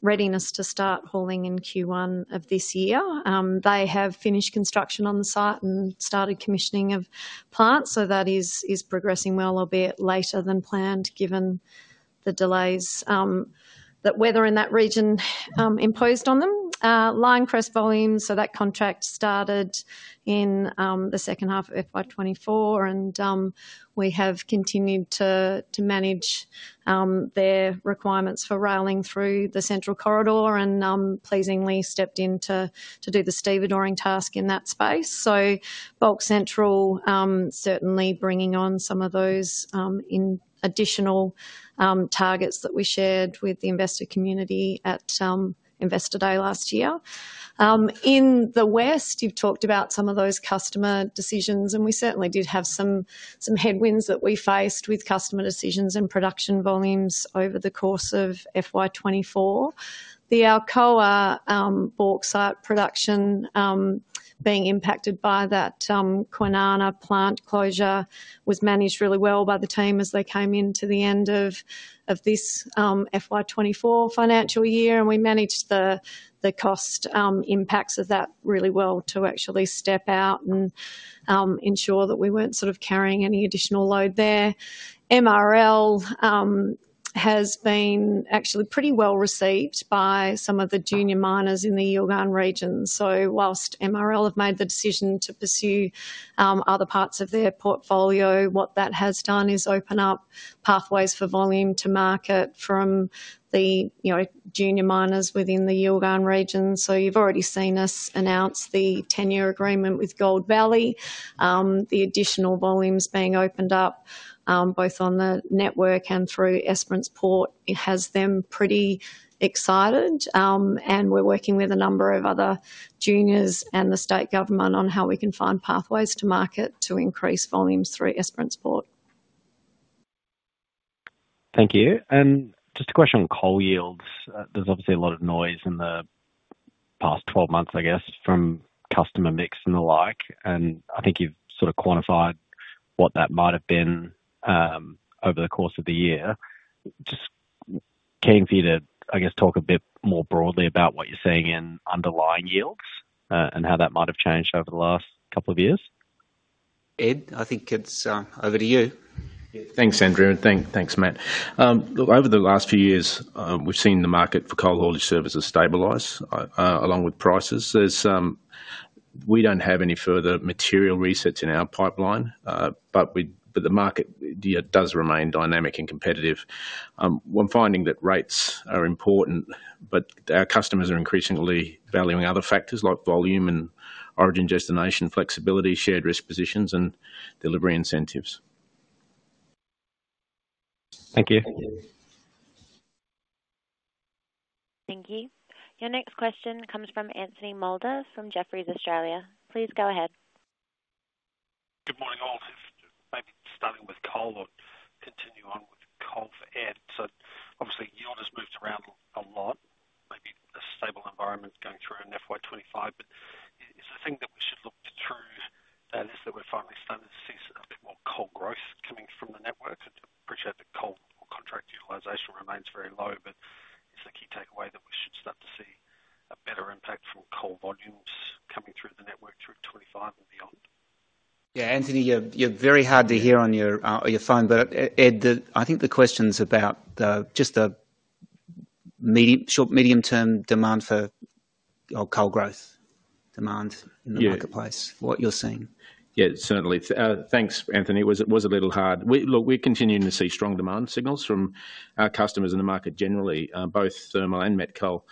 readiness to start hauling in Q1 of this year. They have finished construction on the site and started commissioning of plants, so that is progressing well, albeit later than planned, given the delays that weather in that region imposed on them. Lioncrest volumes, so that contract started in the second half of FY 2024, and we have continued to manage their requirements for railing through the central corridor and pleasingly stepped in to do the stevedoring task in that space. Bulk Central certainly bringing on some of those and additional targets that we shared with the investor community at Investor Day last year. In the west, you've talked about some of those customer decisions, and we certainly did have some headwinds that we faced with customer decisions and production volumes over the course of FY 2024. The Alcoa bauxite production being impacted by that Kwinana plant closure was managed really well by the team as they came into the end of this FY 2024 financial year, and we managed the cost impacts of that really well to actually step out and ensure that we weren't sort of carrying any additional load there. MRL has been actually pretty well received by some of the junior miners in the Yilgarn region. So while MRL have made the decision to pursue other parts of their portfolio. What that has done is open up pathways for volume to market from the, you know, junior miners within the Yilgarn region. So you've already seen us announce the 10-year agreement with Gold Valley. The additional volumes being opened up, both on the network and through Esperance Port. It has them pretty excited, and we're working with a number of other juniors and the state government on how we can find pathways to market to increase volumes through Esperance Port. Thank you. And just a question on coal yields. There's obviously a lot of noise in the past 12 months, I guess, from customer mix and the like, and I think you've sort of quantified what that might have been over the course of the year. Just keen for you to, I guess, talk a bit more broadly about what you're seeing in underlying yields, and how that might have changed over the last couple of years. Ed, I think it's over to you. Yeah. Thanks, Andrew, and thanks, Matt. Look, over the last few years, we've seen the market for coal haulage services stabilize, along with prices. We don't have any further material resets in our pipeline, but the market, yeah, does remain dynamic and competitive. We're finding that rates are important, but our customers are increasingly valuing other factors like volume and origin, destination, flexibility, shared risk positions, and delivery incentives. Thank you. Thank you. Your next question comes from Anthony Moulder from Jefferies Australia. Please go ahead. Good morning, all. Maybe starting with coal or continue on with coal for Ed. So obviously, yield has moved around a lot, maybe a stable environment going through in FY 25, but is the thing that we should look through is that we're finally starting to see a bit more coal growth coming from the network? I appreciate that coal or contract utilization remains very low, but is the key takeaway that we should start to see a better impact from coal volumes coming through the network through 25 and beyond? Yeah, Anthony, you're, you're very hard to hear on your, on your phone, but Ed, I think the question is about the, just the medium, short, medium-term demand for, or coal growth demand- Yeah. in the marketplace, what you're seeing. Yeah, certainly. Thanks, Anthony. It was, it was a little hard. Look, we're continuing to see strong demand signals from our customers in the market generally, both thermal and met coal.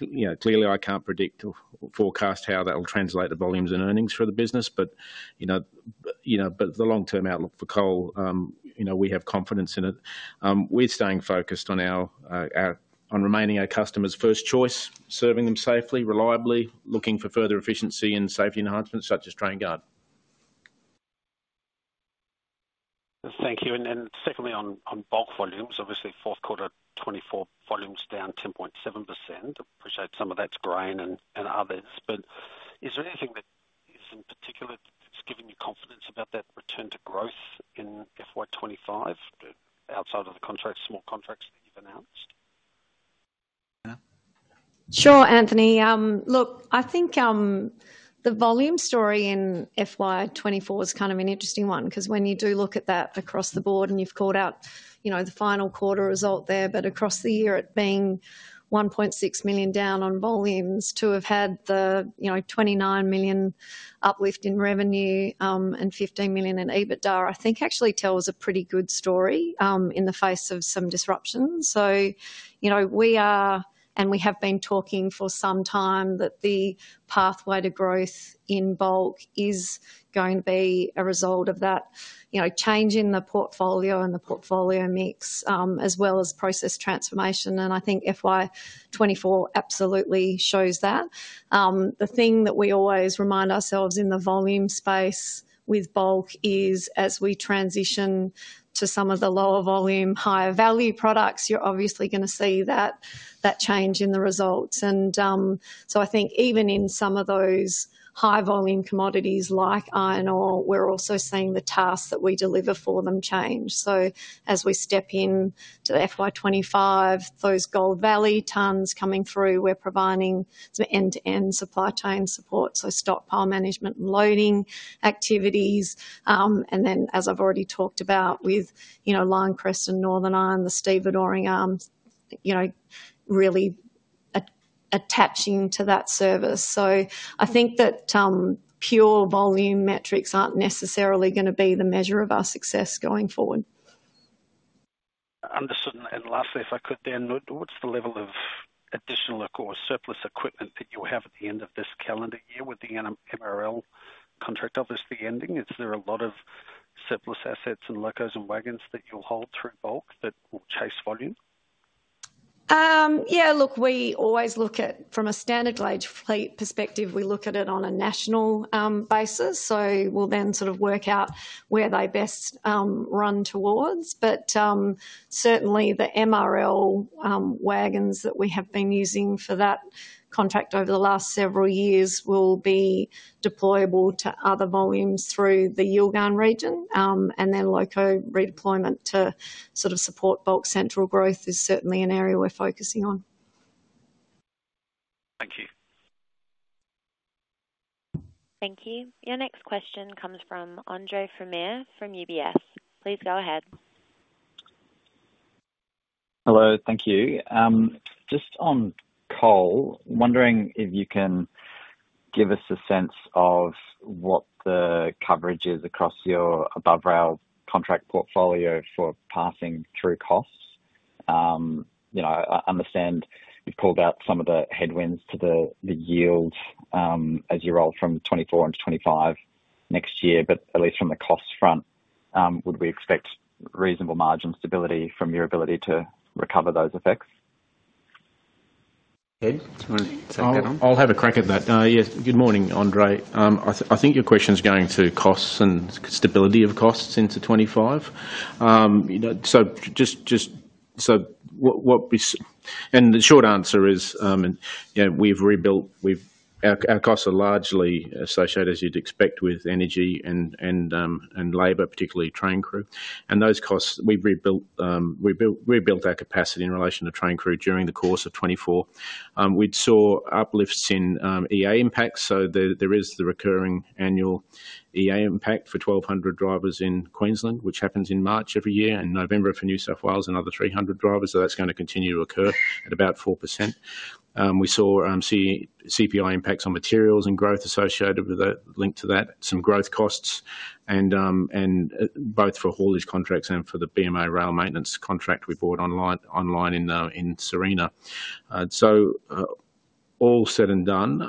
You know, clearly, I can't predict or forecast how that will translate to volumes and earnings for the business, but, you know, you know, but the long-term outlook for coal, you know, we have confidence in it. We're staying focused on our, our, on remaining our customers' first choice, serving them safely, reliably, looking for further efficiency and safety enhancements such as TrainGuard. Thank you. And then secondly, on bulk volumes. Obviously, fourth quarter 2024 volumes down 10.7%. I appreciate some of that's grain and others, but is there anything that is in particular that's giving you confidence about that return to growth in FY 2025, outside of the contracts, small contracts that you've announced? Anna? Sure, Anthony. Look, I think the volume story in FY 2024 is kind of an interesting one, 'cause when you do look at that across the board and you've called out, you know, the final quarter result there, but across the year, it being 1.6 million down on volumes to have had the, you know, 29 million uplift in revenue, and 15 million in EBITDA, I think actually tells a pretty good story in the face of some disruptions. So you know, we are, and we have been talking for some time that the pathway to growth in bulk is going to be a result of that, you know, change in the portfolio and the portfolio mix, as well as process transformation, and I think FY 2024 absolutely shows that. The thing that we always remind ourselves in the volume space with bulk is, as we transition to some of the lower volume, higher value products, you're obviously gonna see that, that change in the results. And, so I think even in some of those high volume commodities like iron ore, we're also seeing the tasks that we deliver for them change. So as we step into the FY 25, those Gold Valley tons coming through, we're providing some end-to-end supply chain support, so stockpile management and loading activities. And then, as I've already talked about with, you know, Lion Crest and Northern Iron, the stevedoring arms, you know, really attaching to that service. So I think that, pure volume metrics aren't necessarily gonna be the measure of our success going forward. Understood. Lastly, if I could, what's the level of additional or surplus equipment that you have at the end of this calendar year with the MRL contract obviously ending? Is there a lot of surplus assets and locos and wagons that you'll hold through bulk that will chase volume? Yeah, look, we always look at from a standard gauge fleet perspective, we look at it on a national basis, so we'll then sort of work out where they best run towards. But certainly the MRL wagons that we have been using for that contract over the last several years will be deployable to other volumes through the Yilgarn region, and then loco redeployment to sort of support bulk central growth is certainly an area we're focusing on. Thank you. Thank you. Your next question comes from Andre Fromyhr from UBS. Please go ahead. Hello, thank you. Just on coal, wondering if you can give us a sense of what the coverage is across your above-rail contract portfolio for passing through costs? You know, I understand you've called out some of the headwinds to the yields, as you roll from 2024 into 2025 next year, but at least from the cost front, would we expect reasonable margin stability from your ability to recover those effects? Ed, do you want to take that on? I'll have a crack at that. Yes. Good morning, Andre. I think your question is going to costs and stability of costs into 25. You know, so just so what we. And the short answer is, and you know, we've rebuilt, we've our costs are largely associated, as you'd expect, with energy and, and, and labor, particularly train crew. And those costs, we've rebuilt, we built, rebuilt our capacity in relation to train crew during the course of 2024. We'd saw uplifts in EA impacts, so there is the recurring annual EA impact for 1,200 drivers in Queensland, which happens in March every year, and November for New South Wales, another 300 drivers. So that's going to continue to occur at about 4%. We saw CPI impacts on materials and growth associated with that, linked to that, some growth costs and both for haulage contracts and for the BMA rail maintenance contract we brought online in CY24. So, all said and done,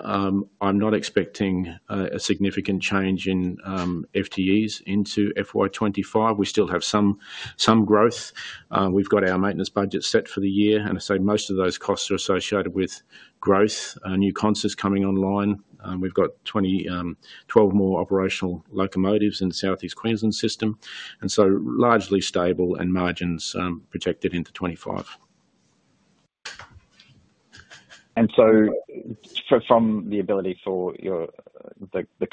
I'm not expecting a significant change in FTEs into FY 25. We still have some growth. We've got our maintenance budget set for the year, and I say most of those costs are associated with growth, new contracts coming online. We've got 12 more operational locomotives in the Southeast Queensland system, and so largely stable margins protected into 25. So from the ability for your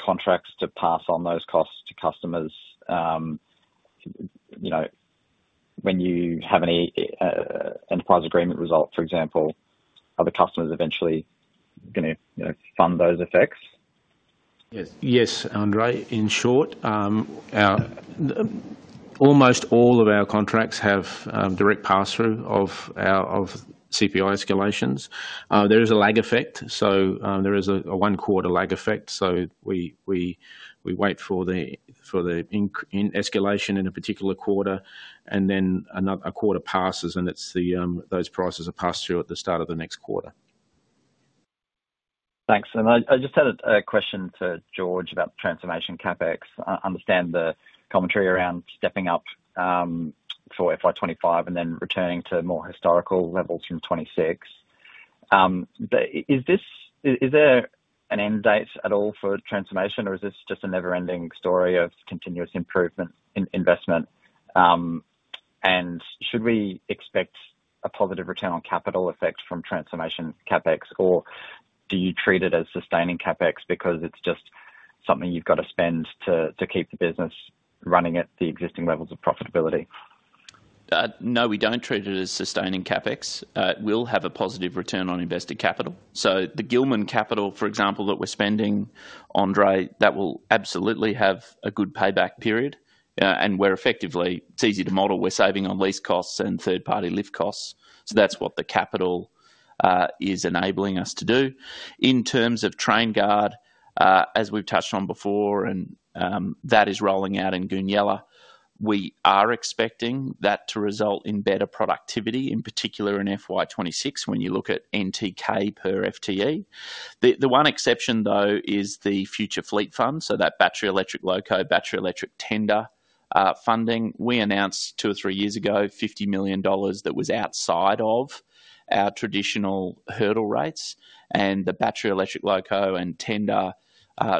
contracts to pass on those costs to customers, you know, when you have any enterprise agreement result, for example, are the customers eventually gonna, you know, fund those effects? Yes. Yes, Andre. In short, almost all of our contracts have direct pass-through of our CPI escalations. There is a lag effect, so there is a one-quarter lag effect. So we wait for the escalation in a particular quarter, and then another quarter passes, and those prices are passed through at the start of the next quarter. Thanks. And I just had a question for George about the transformation CapEx. I understand the commentary around stepping up for FY 2025 and then returning to more historical levels in 2026. But is this, is there an end date at all for transformation, or is this just a never-ending story of continuous improvement in investment? And should we expect a positive return on capital effect from transformation CapEx, or do you treat it as sustaining CapEx because it's just something you've got to spend to keep the business running at the existing levels of profitability? No, we don't treat it as sustaining CapEx. It will have a positive return on invested capital. So the Gillman capital, for example, that we're spending, Andre, that will absolutely have a good payback period. And we're effectively, it's easy to model, we're saving on lease costs and third-party lift costs. So that's what the capital is enabling us to do. In terms of TrainGuard, as we've touched on before, that is rolling out in Goonyella. We are expecting that to result in better productivity, in particular in FY 2026, when you look at NTK per FTE. The one exception, though, is the Future Fleet Fund, so that battery electric loco, battery electric tender, funding. We announced two or three years ago, 50 million dollars that was outside of our traditional hurdle rates, and the battery electric loco and tender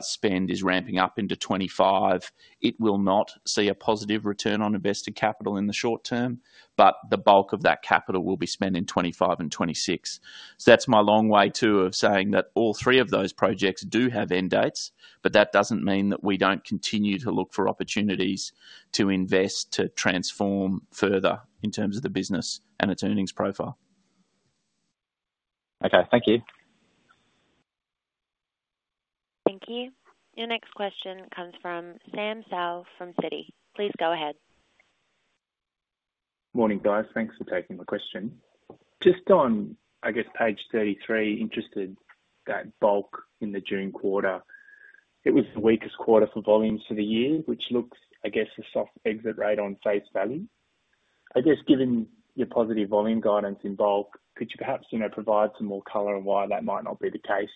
spend is ramping up into 2025. It will not see a positive return on invested capital in the short term, but the bulk of that capital will be spent in 2025 and 2026. So that's my long way, too, of saying that all three of those projects do have end dates, but that doesn't mean that we don't continue to look for opportunities to invest, to transform further in terms of the business and its earnings profile. Okay, thank you. Thank you. Your next question comes from Sam Seow from Citi. Please go ahead. Morning, guys. Thanks for taking my question. Just on, I guess, page 33, interested that bulk in the June quarter. It was the weakest quarter for volumes for the year, which looks, I guess, a soft exit rate on face value. I guess given your positive volume guidance in bulk, could you perhaps, you know, provide some more color on why that might not be the case?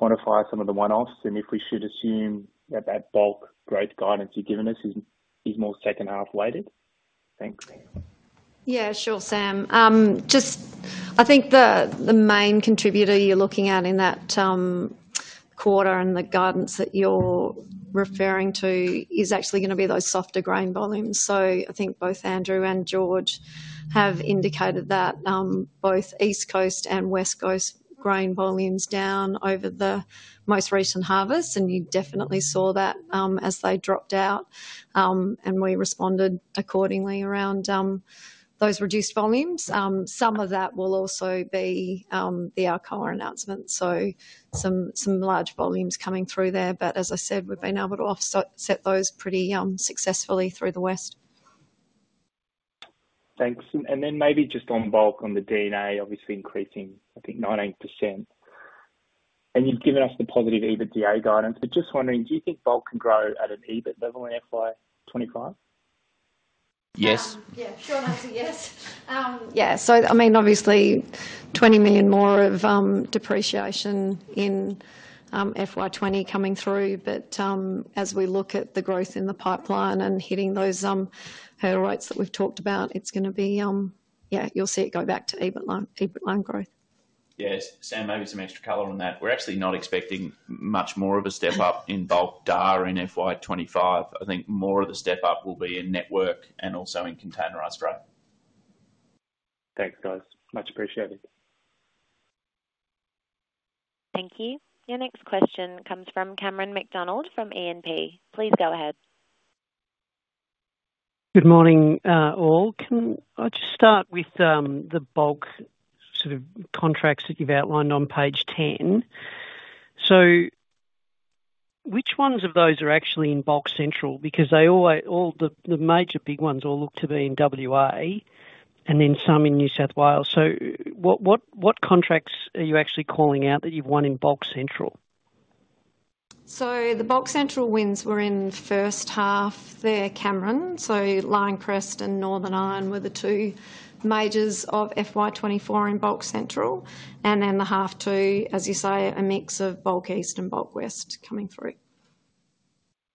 Maybe quantify some of the one-offs, and if we should assume that that bulk growth guidance you've given us is, is more second half weighted? Thanks. Yeah, sure, Sam. Just I think the main contributor you're looking at in that quarter and the guidance that you're referring to is actually gonna be those softer grain volumes. So I think both Andrew and George have indicated that both East Coast and West Coast grain volume's down over the most recent harvest, and you definitely saw that as they dropped out and we responded accordingly around those reduced volumes. Some of that will also be the Alcoa announcement, so some large volumes coming through there. But as I said, we've been able to offset those pretty successfully through the West. Thanks. Then maybe just on bulk, on the NTK, obviously increasing, I think, 98%. And you've given us the positive EBITDA guidance, but just wondering, do you think bulk can grow at an EBIT level in FY 2025? Yes. Yeah, short answer, yes. Yeah, so I mean, obviously 20 million more of depreciation in FY 2020 coming through, but as we look at the growth in the pipeline and hitting those higher rates that we've talked about, it's gonna be, yeah, you'll see it go back to EBIT line, EBIT line growth. Yes. Sam, maybe some extra color on that. We're actually not expecting much more of a step-up in bulk DAR in FY 25. I think more of the step-up will be in network and also in containerized growth. Thanks, guys. Much appreciated. Thank you. Your next question comes from Cameron McDonald, from E&P. Please go ahead. Good morning, all. Can I just start with the bulk sort of contracts that you've outlined on page 10? So which ones of those are actually in Bulk Central? Because they all, the major big ones all look to be in WA, and then some in New South Wales. So what contracts are you actually calling out that you've won in Bulk Central? So the Bulk Central wins were in the first half there, Cameron. So Lion Crest and Northern Iron were the two majors of FY 2024 in Bulk Central, and then the half two, as you say, a mix of Bulk East and Bulk West coming through.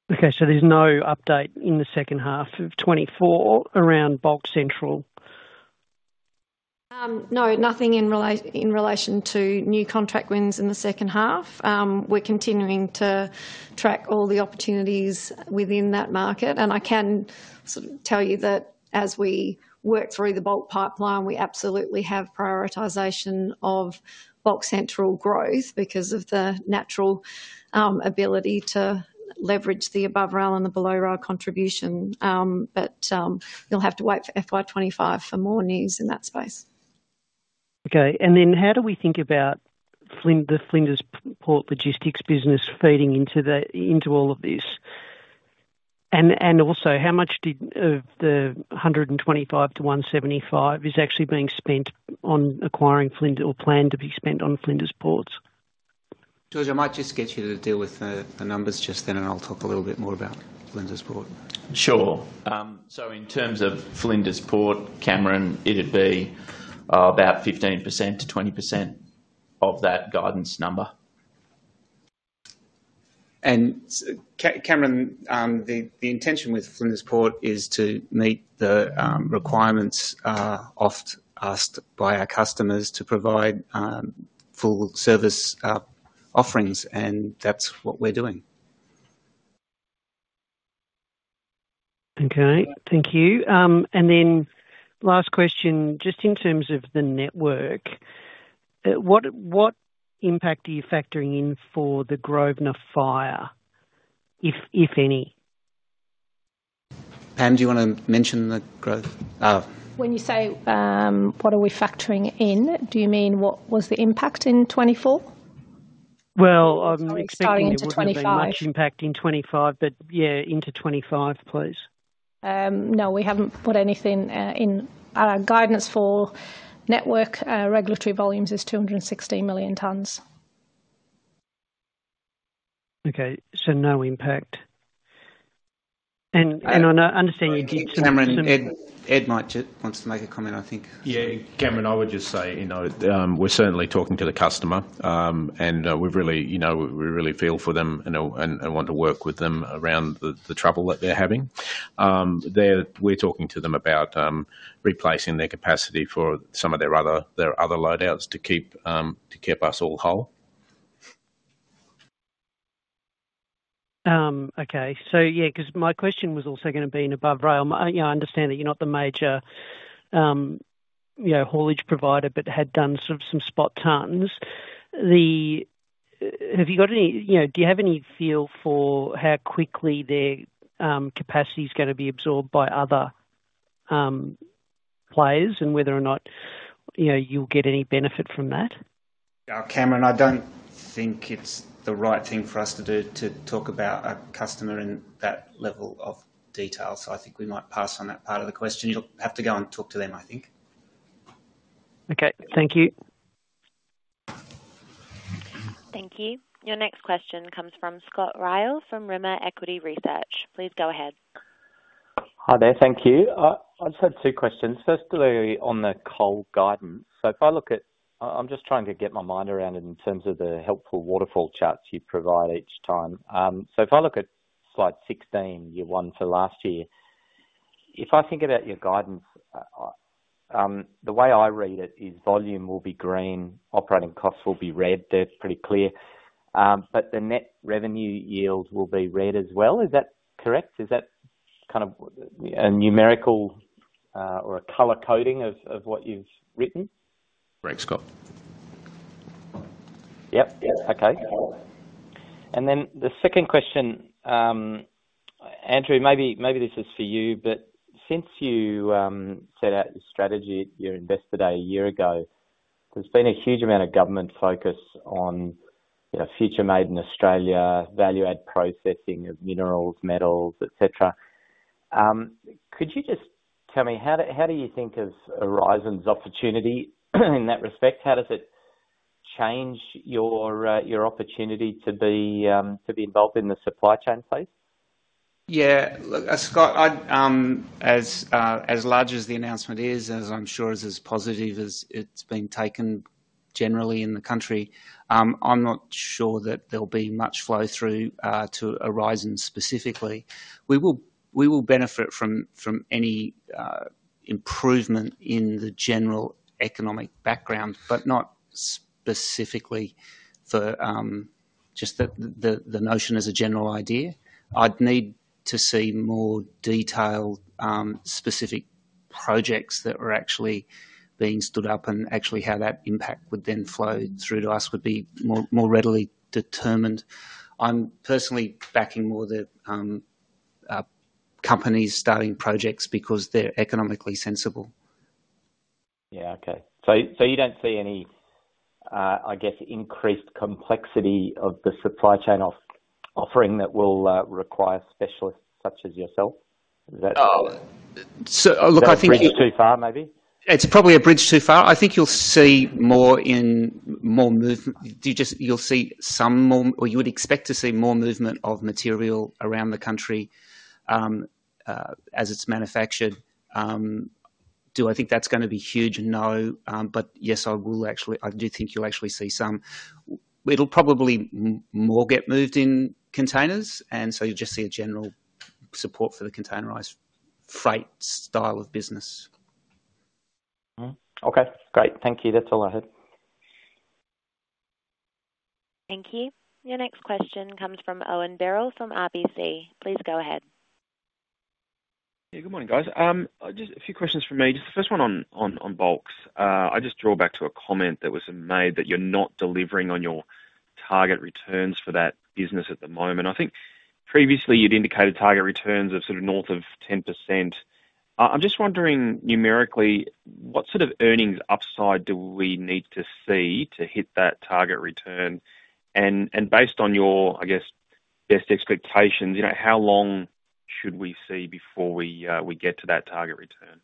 Okay, so there's no update in the second half of 2024 around Bulk Central? No, nothing in relation to new contract wins in the second half. We're continuing to track all the opportunities within that market, and I can sort of tell you that as we work through the bulk pipeline, we absolutely have prioritization of Bulk Central growth because of the natural ability to leverage the above rail and the below rail contribution. But you'll have to wait for FY 25 for more news in that space. Okay, and then how do we think about the Flinders Ports logistics business feeding into the, into all of this? And also, how much of the 125-175 is actually being spent on acquiring Flinders Ports or planned to be spent on Flinders Ports? George, I might just get you to deal with the numbers just then, and I'll talk a little bit more about Flinders Port. Sure. So in terms of Flinders Port, Cameron, it'd be about 15%-20% of that guidance number. And Cameron, the intention with Flinders Port is to meet the requirements oft asked by our customers to provide full-service offerings, and that's what we're doing. Okay, thank you. And then last question, just in terms of the network, what impact are you factoring in for the Grosvenor Fire, if any? Pam, do you wanna mention the growth? When you say, what are we factoring in, do you mean what was the impact in 2024? Well, I'm expecting- Starting into 2025... there wouldn't be much impact in 2025, but yeah, into 2025, please. No, we haven't put anything in our guidance for network. Regulatory volumes is 216 million tons. Okay, so no impact. And I know, understand you did some- Cameron, Ed, Ed might just wants to make a comment, I think. Yeah, Cameron, I would just say, you know, we're certainly talking to the customer, and we've really, you know, we really feel for them and want to work with them around the trouble that they're having. We're talking to them about replacing their capacity for some of their other, their other load outs to keep, to keep us all whole. Okay. So yeah, 'cause my question was also gonna be in above rail. Yeah, I understand that you're not the major, you know, haulage provider, but had done sort of some spot tons. Have you got any... You know, do you have any feel for how quickly their capacity is gonna be absorbed by other players? And whether or not, you know, you'll get any benefit from that? Cameron, I don't think it's the right thing for us to do to talk about a customer in that level of detail, so I think we might pass on that part of the question. You'll have to go and talk to them, I think. Okay, thank you. Thank you. Your next question comes from Scott Ryall, from Rimor Equity Research. Please go ahead. Hi there, thank you. I just had two questions. Firstly, on the coal guidance. So if I look at. I'm just trying to get my mind around it in terms of the helpful waterfall charts you provide each time. So if I look at slide 16, year one for last year, if I think about your guidance, the way I read it is volume will be green, operating costs will be red. That's pretty clear. But the net revenue yield will be red as well. Is that correct? Is that kind of a numerical or a color coding of what you've written? Correct, Scott. Yep. Yeah, okay. And then the second question, Andrew, maybe, maybe this is for you, but since you set out your strategy, your Invest Today a year ago. There's been a huge amount of government focus on, you know, future Made in Australia, value-add processing of minerals, metals, et cetera. Could you just tell me, how do you think of Aurizon's opportunity in that respect? How does it change your, your opportunity to be, to be involved in the supply chain phase? Yeah, look, Scott, I'd as large as the announcement is, as I'm sure is as positive as it's been taken generally in the country, I'm not sure that there'll be much flow through to Aurizon, specifically. We will, we will benefit from, from any improvement in the general economic background, but not specifically for just the notion as a general idea. I'd need to see more detailed specific projects that were actually being stood up, and actually how that impact would then flow through to us would be more readily determined. I'm personally backing more the companies starting projects because they're economically sensible. Yeah, okay. So, so you don't see any, I guess, increased complexity of the supply chain offering that will require specialists such as yourself? Is that- Oh, so, look, I think- A bridge too far, maybe? It's probably a bridge too far. I think you'll see more movement. You just, you'll see some more. Or you would expect to see more movement of material around the country, as it's manufactured. Do I think that's gonna be huge? No. But yes, I will actually, I do think you'll actually see some. It'll probably more get moved in containers, and so you'll just see a general support for the containerized freight style of business. Mm-hmm. Okay, great. Thank you. That's all I had. Thank you. Your next question comes from Owen Birrell from RBC. Please go ahead. Yeah, good morning, guys. Just a few questions from me. Just the first one on bulks. I just draw back to a comment that was made that you're not delivering on your target returns for that business at the moment. I think previously, you'd indicated target returns of sort of north of 10%. I'm just wondering, numerically, what sort of earnings upside do we need to see to hit that target return? And based on your, I guess, best expectations, you know, how long should we see before we get to that target return?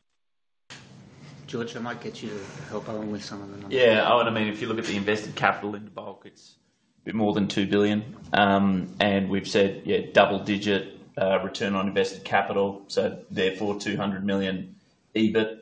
George, I might get you to help out with some of them. Yeah. I wanna mean, if you look at the invested capital in the bulk, it's a bit more than 2 billion. And we've said, yeah, double digit return on invested capital, so therefore, 200 million EBIT.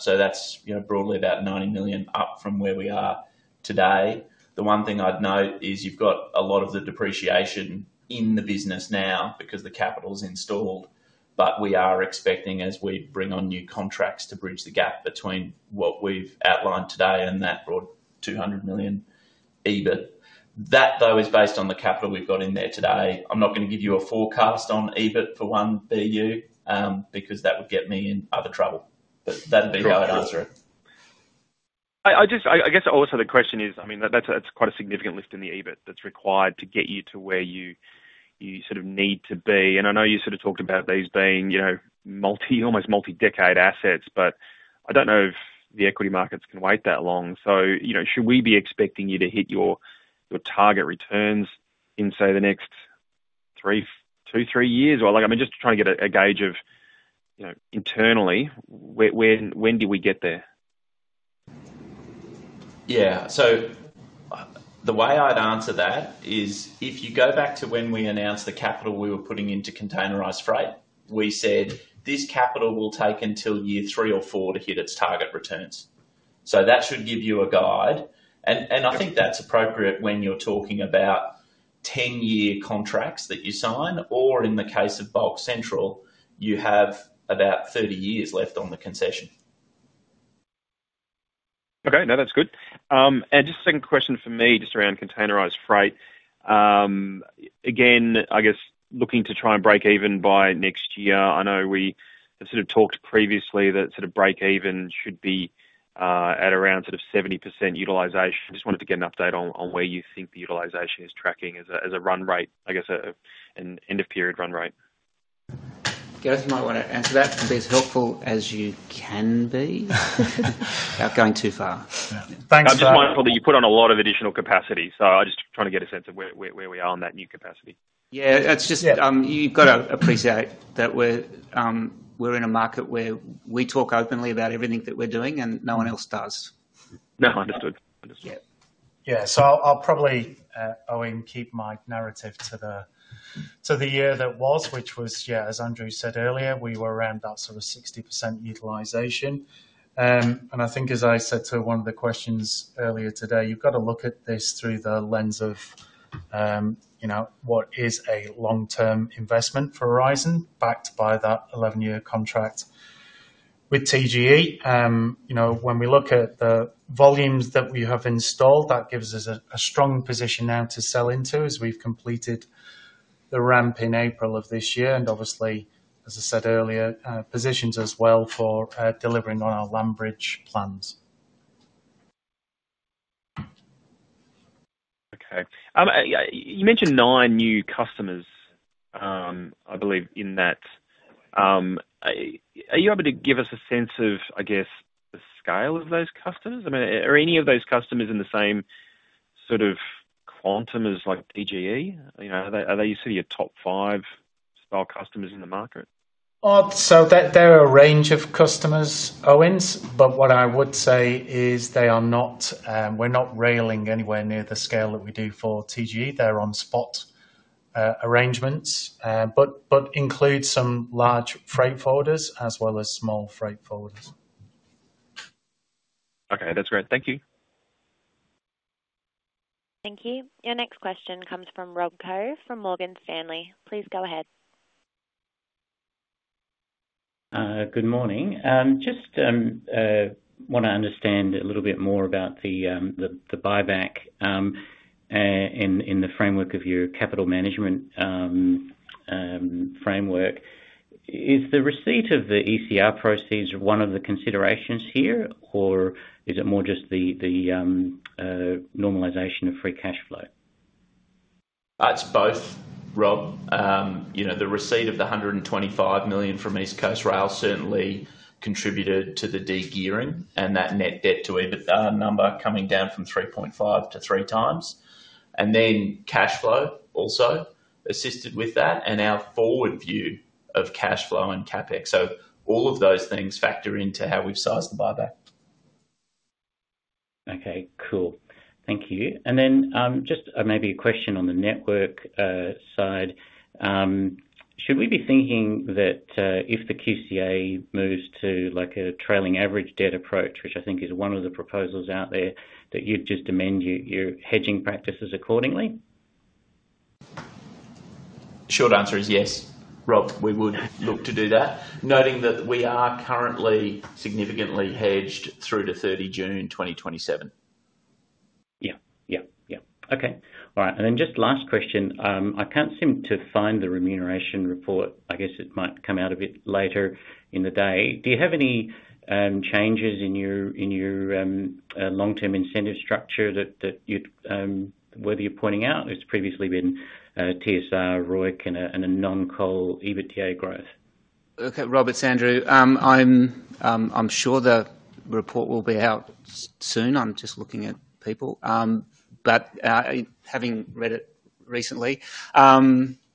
So that's, you know, broadly about 90 million up from where we are today. The one thing I'd note is you've got a lot of the depreciation in the business now because the capital is installed, but we are expecting, as we bring on new contracts, to bridge the gap between what we've outlined today and that broad 200 million EBIT. That, though, is based on the capital we've got in there today. I'm not gonna give you a forecast on EBIT for one BU, because that would get me in other trouble, but that'd be how I'd answer it. I just guess also the question is, I mean, that's quite a significant lift in the EBIT that's required to get you to where you sort of need to be. And I know you sort of talked about these being, you know, multi, almost multi-decade assets, but I don't know if the equity markets can wait that long. So, you know, should we be expecting you to hit your target returns in, say, the next three, two, three years? Or, like, I mean, just to try and get a gauge of, you know, internally, when do we get there? Yeah. So the way I'd answer that is, if you go back to when we announced the capital we were putting into containerized freight, we said, "This capital will take until year 3 or 4 to hit its target returns." So that should give you a guide. And I think that's appropriate when you're talking about 10-year contracts that you sign, or in the case of Bulk Central, you have about 30 years left on the concession. Okay, now, that's good. Just a second question for me, just around containerized freight. Again, I guess looking to try and break even by next year, I know we have sort of talked previously that sort of breakeven should be at around sort of 70% utilization. Just wanted to get an update on where you think the utilization is tracking as a run rate, I guess, an end-of-period run rate. Gareth, you might wanna answer that and be as helpful as you can be without going too far. Thanks. I'm just mindful that you put on a lot of additional capacity, so I'm just trying to get a sense of where we are on that new capacity. Yeah, it's just- Yeah. You've got to appreciate that we're in a market where we talk openly about everything that we're doing, and no one else does. No, understood. Understood. Yeah. Yeah. So I'll probably, Owen, keep my narrative to the year that was, which was, yeah, as Andrew said earlier, we were around that sort of 60% utilization. I think as I said to one of the questions earlier today, you've got to look at this through the lens of, you know, what is a long-term investment for Aurizon, backed by that 11-year contract with TGE. You know, when we look at the volumes that we have installed, that gives us a strong position now to sell into, as we've completed the ramp in April of this year, and obviously, as I said earlier, positions as well for delivering on our Landbridge plans.... Okay. You mentioned nine new customers, I believe in that. Are you able to give us a sense of, I guess, the scale of those customers? I mean, are any of those customers in the same sort of quantum as like TGE? You know, are they, are they sort of your top five star customers in the market? So there are a range of customers, Owen, but what I would say is they are not, we're not railing anywhere near the scale that we do for TGE. They're on spot arrangements, but includes some large freight forwarders as well as small freight forwarders. Okay, that's great. Thank you. Thank you. Your next question comes from Rob Koh from Morgan Stanley. Please go ahead. Good morning. Just wanna understand a little bit more about the buyback in the framework of your capital management framework. Is the receipt of the ECR proceeds one of the considerations here, or is it more just the normalization of free cash flow? It's both, Rob. You know, the receipt of 125 million from East Coast Rail certainly contributed to the de-gearing and that net debt to EBITDA number coming down from 3.5 to 3 times. And then cash flow also assisted with that and our forward view of cash flow and CapEx. So all of those things factor into how we've sized the buyback. Okay, cool. Thank you. And then, just, maybe a question on the network, side. Should we be thinking that, if the QCA moves to, like, a trailing average debt approach, which I think is one of the proposals out there, that you'd just amend your, your hedging practices accordingly? Short answer is yes, Rob. We would look to do that, noting that we are currently significantly hedged through to 30 June 2027. Yeah. Yeah, yeah. Okay. All right, and then just last question. I can't seem to find the remuneration report. I guess it might come out a bit later in the day. Do you have any changes in your long-term incentive structure that you'd whether you're pointing out? It's previously been TSR, ROIC, and non-coal EBITDA growth? Look, Robert, it's Andrew. I'm sure the report will be out soon. I'm just looking at people. But having read it recently,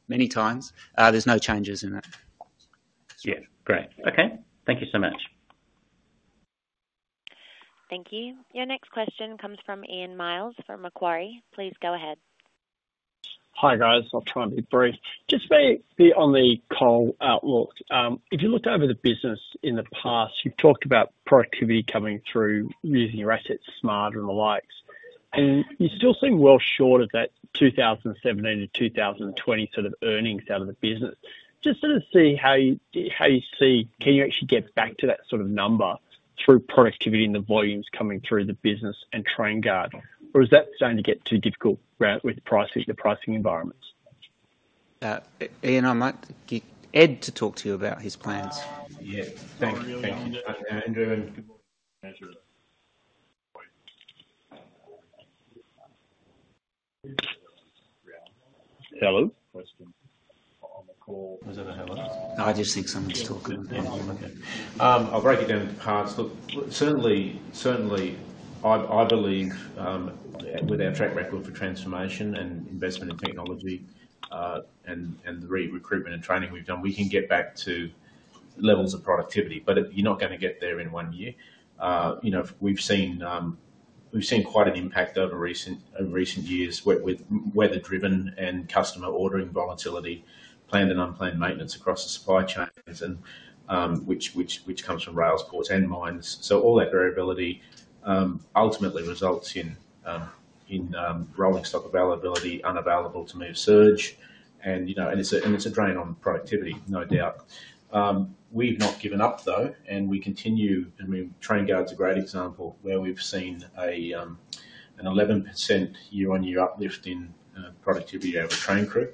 many times, there's no changes in that. Yeah, great. Okay. Thank you so much. Thank you. Your next question comes from Ian Myles, from Macquarie. Please go ahead. Hi, guys. I'll try and be brief. Just maybe on the coal outlook. If you looked over the business in the past, you've talked about productivity coming through, using your assets smarter and the likes, and you still seem well short of that 2017 to 2020 sort of earnings out of the business. Just sort of see how you, how you see. Can you actually get back to that sort of number through productivity and the volumes coming through the business and train guard, or is that going to get too difficult with the pricing, the pricing environments? Ian, I might get Ed to talk to you about his plans. Yeah, thank you, Andrew, and good morning. Hello? On the call. Was that a hello? No, I just think someone's talking. I'll break it down into parts. Look, certainly, certainly, I believe, with our track record for transformation and investment in technology, and the recruitment and training we've done, we can get back to levels of productivity, but you're not gonna get there in one year. You know, we've seen, we've seen quite an impact over recent, over recent years with weather-driven and customer ordering volatility, planned and unplanned maintenance across the supply chains, and which comes from rails, ports, and mines. So all that variability ultimately results in rolling stock availability unavailable to move surge, and you know and it's a drain on productivity, no doubt. We've not given up, though, and we continue, I mean, TrainGuard's a great example, where we've seen an 11% year-on-year uplift in productivity over train crew,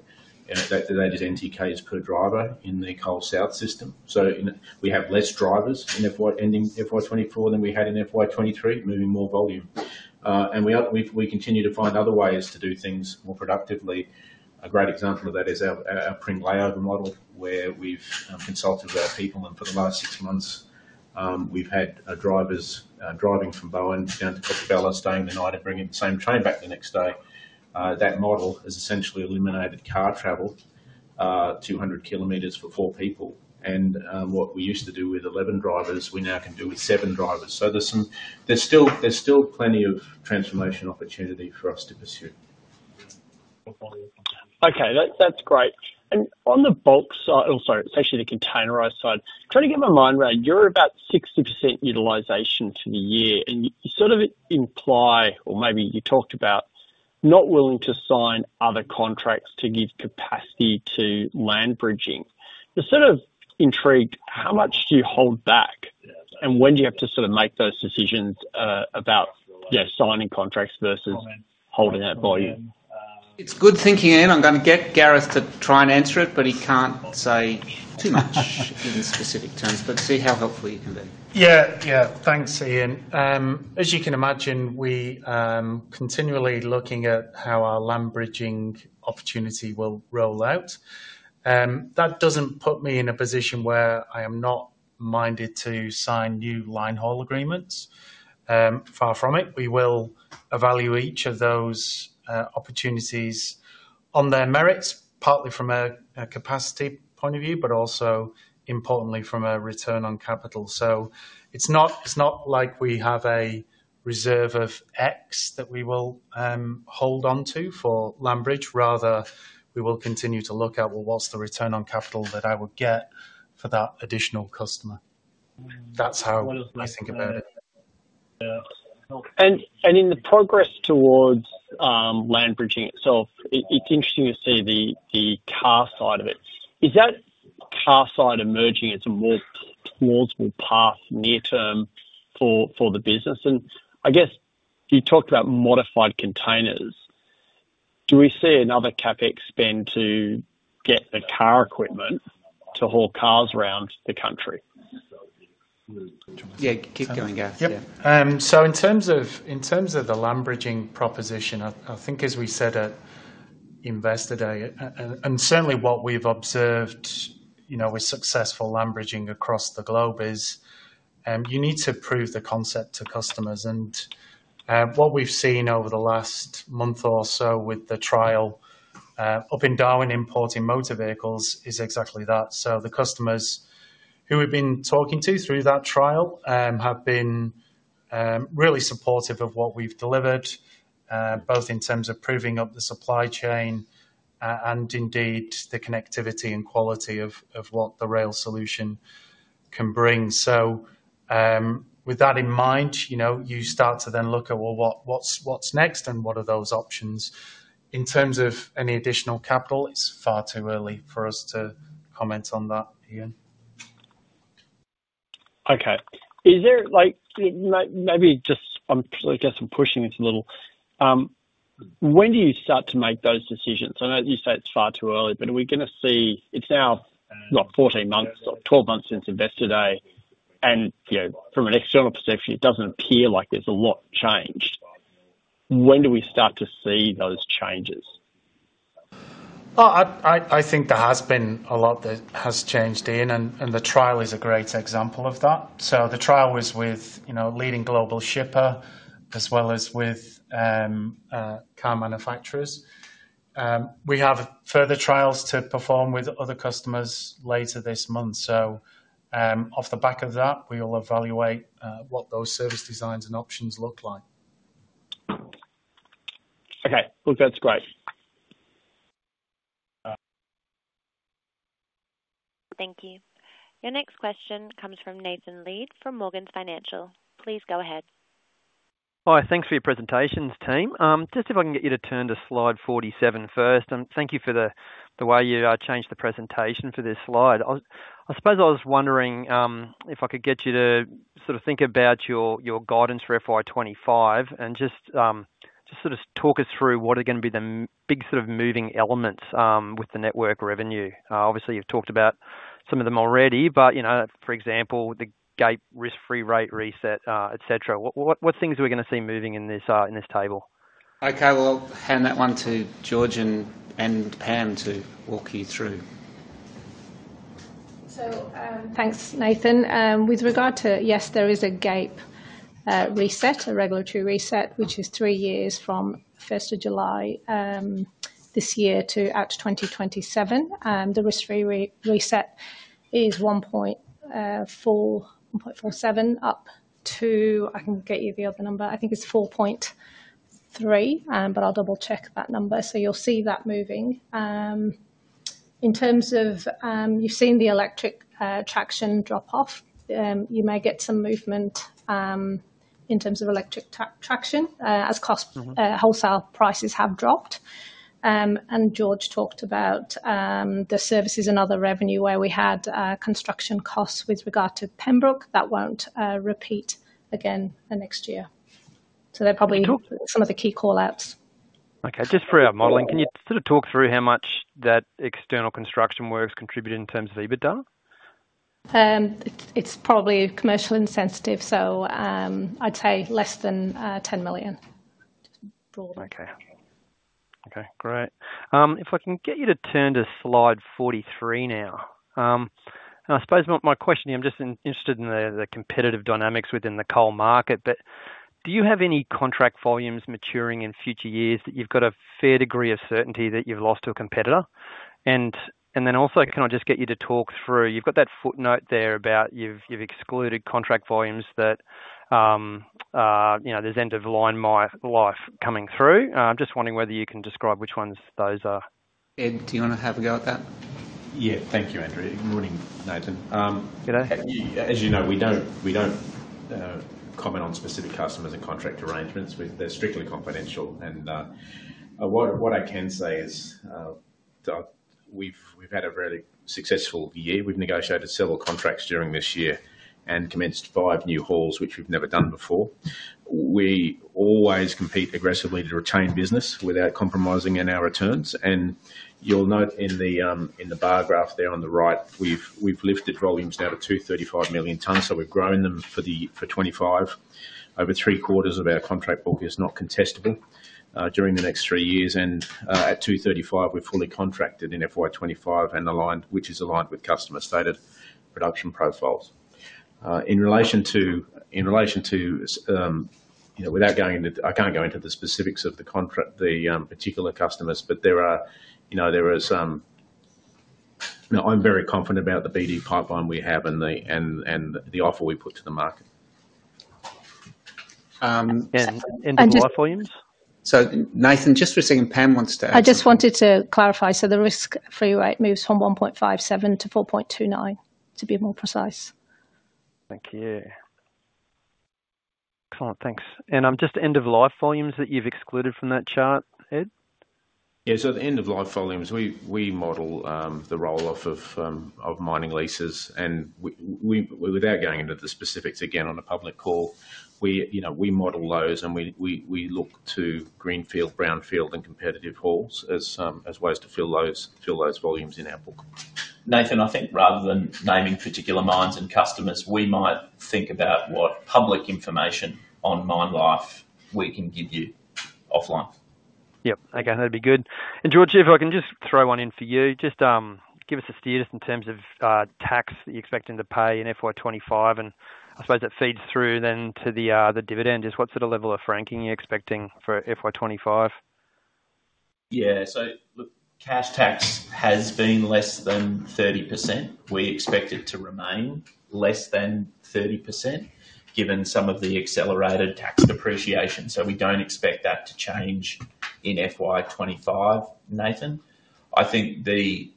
and that added NTKs per driver in the Coal South system. So we have less drivers in FY ending FY 2024 than we had in FY 2023, moving more volume. And we continue to find other ways to do things more productively. A great example of that is our train layover model, where we've consulted with our people, and for the last six months, we've had drivers driving from Bowen down to Gunyarra, staying the night and bringing the same train back the next day. That model has essentially eliminated car travel 200 km for four people. What we used to do with 11 drivers, we now can do with 7 drivers. So there's still plenty of transformation opportunity for us to pursue. Okay, that, that's great. And on the bulk side. Oh, sorry, it's actually the containerized side. Trying to get my mind around, you're about 60% utilization for the year, and you sort of imply, or maybe you talked about not willing to sign other contracts to give capacity to land bridging. You're sort of intrigued, how much do you hold back? And when do you have to sort of make those decisions, about, yeah, signing contracts versus holding that volume?... It's good thinking, Ian. I'm going to get Gareth to try and answer it, but he can't say too much in specific terms, but see how helpful you can be. Yeah, yeah. Thanks, Ian. As you can imagine, we continually looking at how our land bridging opportunity will roll out. That doesn't put me in a position where I am not minded to sign new line haul agreements. Far from it. We will evaluate each of those opportunities on their merits, partly from a capacity point of view, but also importantly, from a return on capital. So it's not like we have a reserve of X that we will hold on to for land bridge. Rather, we will continue to look at, well, what's the return on capital that I would get for that additional customer? That's how I think about it. Yeah. And in the progress towards Land Bridging itself, it's interesting to see the car side of it. Is that car side emerging as a more towards more path near term for the business? And I guess you talked about modified containers. Do we see another CapEx spend to get the car equipment to haul cars around the country? Yeah, keep going, Gareth. Yep. So in terms of the land bridging proposition, I think as we said at Investor Day, and certainly what we've observed, you know, with successful land bridging across the globe is, you need to prove the concept to customers. And what we've seen over the last month or so with the trial up in Darwin, importing motor vehicles, is exactly that. So the customers who we've been talking to through that trial have been really supportive of what we've delivered, both in terms of proving up the supply chain, and indeed, the connectivity and quality of what the rail solution can bring. So with that in mind, you know, you start to then look at, well, what's next and what are those options? In terms of any additional capital, it's far too early for us to comment on that, Ian. Okay. Is there like, maybe just, I guess I'm pushing this a little. When do you start to make those decisions? I know you say it's far too early, but are we gonna see— It's now, what? 14 months or 12 months since Investor Day, and, you know, from an external perspective, it doesn't appear like there's a lot changed. When do we start to see those changes? Oh, I think there has been a lot that has changed, Ian, and the trial is a great example of that. So the trial was with, you know, leading global shipper as well as with car manufacturers. We have further trials to perform with other customers later this month. So, off the back of that, we will evaluate what those service designs and options look like. Okay. Well, that's great. Thank you. Your next question comes from Nathan Lead from Morgans Financial. Please go ahead. Hi, thanks for your presentations, team. Just if I can get you to turn to slide 47 first, and thank you for the way you changed the presentation for this slide. I suppose I was wondering if I could get you to sort of think about your guidance for FY 25 and just sort of talk us through what are going to be the big sort of moving elements with the network revenue. Obviously, you've talked about some of them already, but you know, for example, the GAAP risk-free rate reset, et cetera. What things are we gonna see moving in this table? Okay, well, I'll hand that one to George and Pam to walk you through. So, thanks, Nathan. With regard to, yes, there is a QCA reset, a regulatory reset, which is three years from first of July this year to 2027. And the risk-free reset is 1.47, up to... I can get you the other number. I think it's 4.3, but I'll double-check that number. So you'll see that moving. In terms of, you've seen the electric traction drop off, you may get some movement in terms of electric traction as cost. Wholesale prices have dropped. George talked about the services and other revenue where we had construction costs with regard to Pembroke, that won't repeat again the next year. Okay. They're probably some of the key call-outs. Okay. Just for our modeling, can you sort of talk through how much that external construction work has contributed in terms of EBITDA? It's probably commercially sensitive, so I'd say less than 10 million, broadly. Okay. Okay, great. If I can get you to turn to slide 43 now. And I suppose my question, I'm just interested in the competitive dynamics within the coal market, but do you have any contract volumes maturing in future years that you've got a fair degree of certainty that you've lost to a competitor? And then also, can I just get you to talk through-- You've got that footnote there about you've excluded contract volumes that, you know, there's end of line mine life coming through. I'm just wondering whether you can describe which ones those are. Ed, do you want to have a go at that? Yeah. Thank you, Andrew. Good morning, Nathan. G'day. As you know, we don't, we don't, comment on specific customers and contract arrangements. They're strictly confidential, and, what, what I can say is. We've had a very successful year. We've negotiated several contracts during this year and commenced five new hauls, which we've never done before. We always compete aggressively to retain business without compromising on our returns, and you'll note in the bar graph there on the right, we've lifted volumes now to 235 million tons, so we've grown them for 25. Over three-quarters of our contract book is not contestable during the next three years, and at 235, we're fully contracted in FY 25 and aligned, which is aligned with customer-stated production profiles. In relation to, in relation to, you know, without going into... I can't go into the specifics of the contract, the particular customers, but there are, you know, there is. No, I'm very confident about the BD pipeline we have and the offer we put to the market. End of life volumes? So, Nathan, just for a second, Pam wants to add something. I just wanted to clarify, so the risk-free rate moves from 1.57-4.29, to be more precise. Thank you. Excellent, thanks. Just the end-of-life volumes that you've excluded from that chart, Ed? Yeah, so the end-of-life volumes, we model the roll-off of mining leases, and without going into the specifics, again, on a public call, we, you know, we model those, and we look to greenfield, brownfield, and competitive halls as ways to fill those, fill those volumes in our book. Nathan, I think rather than naming particular mines and customers, we might think about what public information on mine life we can give you offline. Yep. Okay, that'd be good. And, George, if I can just throw one in for you. Just, give us a steer just in terms of, tax that you're expecting to pay in FY 25, and I suppose that feeds through then to the, the dividend. Just what sort of level of franking are you expecting for FY 25? Yeah, so look, cash tax has been less than 30%. We expect it to remain less than 30%, given some of the accelerated tax depreciation, so we don't expect that to change in FY 25, Nathan. I think the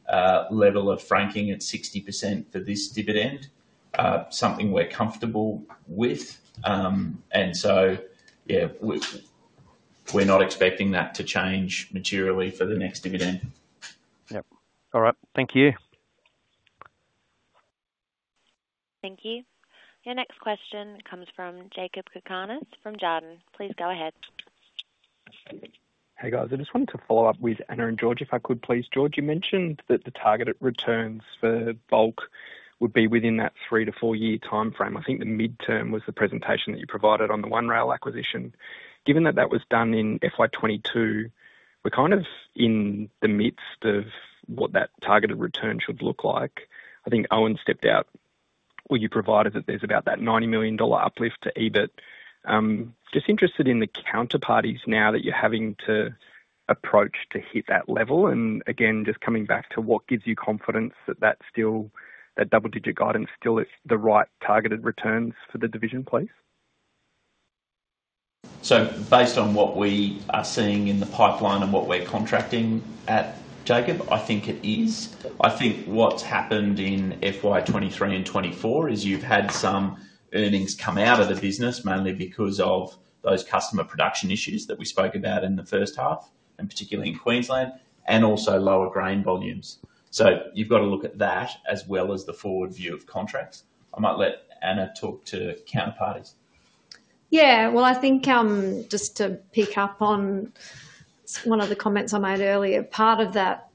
level of franking at 60% for this dividend, something we're comfortable with, and so, yeah, we're not expecting that to change materially for the next dividend. Yep. All right. Thank you. Thank you. Your next question comes from Jakob Cakarnis, from Jarden. Please go ahead. Hey, guys. I just wanted to follow up with Anna and George, if I could please. George, you mentioned that the targeted returns for bulk would be within that 3-4-year timeframe. I think the midterm was the presentation that you provided on the One Rail acquisition. Given that that was done in FY 2022, we're kind of in the midst of what that targeted return should look like. I think Owen stepped out. Well, you provided that there's about that 90 million dollar uplift to EBIT. Just interested in the counterparties now that you're having to approach to hit that level. And again, just coming back to what gives you confidence that that's still, that double-digit guidance still is the right targeted returns for the division, please? So based on what we are seeing in the pipeline and what we're contracting at, Jacob, I think it is. I think what's happened in FY 2023 and 2024 is you've had some earnings come out of the business, mainly because of those customer production issues that we spoke about in the first half, and particularly in Queensland, and also lower grain volumes. So you've got to look at that as well as the forward view of contracts. I might let Anna talk to counterparties. Yeah, well, I think just to pick up on one of the comments I made earlier, part of that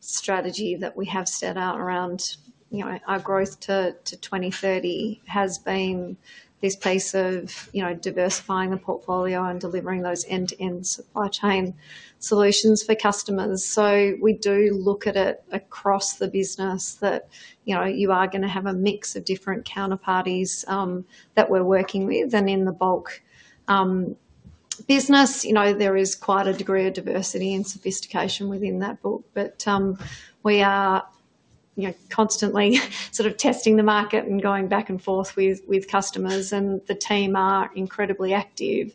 strategy that we have set out around, you know, our growth to 2030 has been this piece of, you know, diversifying the portfolio and delivering those end-to-end supply chain solutions for customers. So we do look at it across the business that, you know, you are gonna have a mix of different counterparties that we're working with. And in the bulk business, you know, there is quite a degree of diversity and sophistication within that book, but we are, you know, constantly sort of testing the market and going back and forth with customers, and the team are incredibly active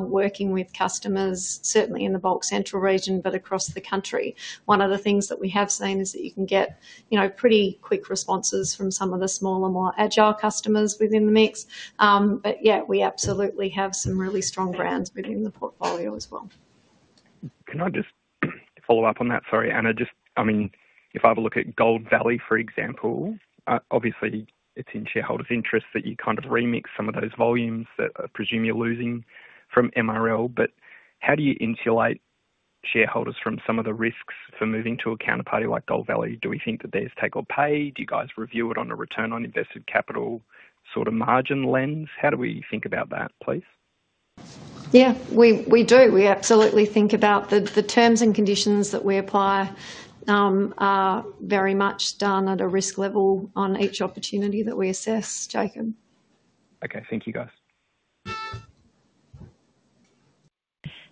working with customers, certainly in the Bulk Central region, but across the country. One of the things that we have seen is that you can get, you know, pretty quick responses from some of the smaller, more agile customers within the mix. But yeah, we absolutely have some really strong brands within the portfolio as well. Can I just follow up on that? Sorry, Anna, just... I mean, if I have a look at Gold Valley, for example, obviously it's in shareholders' interest that you kind of remix some of those volumes that I presume you're losing from MRL. But how do you insulate shareholders from some of the risks for moving to a counterparty like Gold Valley? Do we think that there's take or pay? Do you guys review it on a return on invested capital sort of margin lens? How do we think about that, please? Yeah, we do. We absolutely think about the terms and conditions that we apply are very much done at a risk level on each opportunity that we assess, Jakob. Okay. Thank you, guys.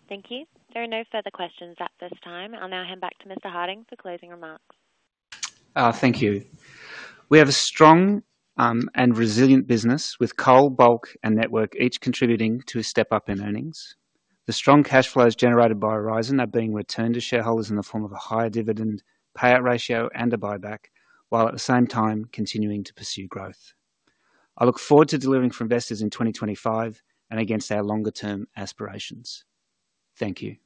Thank you. There are no further questions at this time. I'll now hand back to Mr. Harding for closing remarks. Thank you. We have a strong and resilient business with coal, bulk, and network, each contributing to a step up in earnings. The strong cash flows generated by Aurizon are being returned to shareholders in the form of a higher dividend, payout ratio, and a buyback, while at the same time continuing to pursue growth. I look forward to delivering for investors in 2025 and against our longer-term aspirations. Thank you.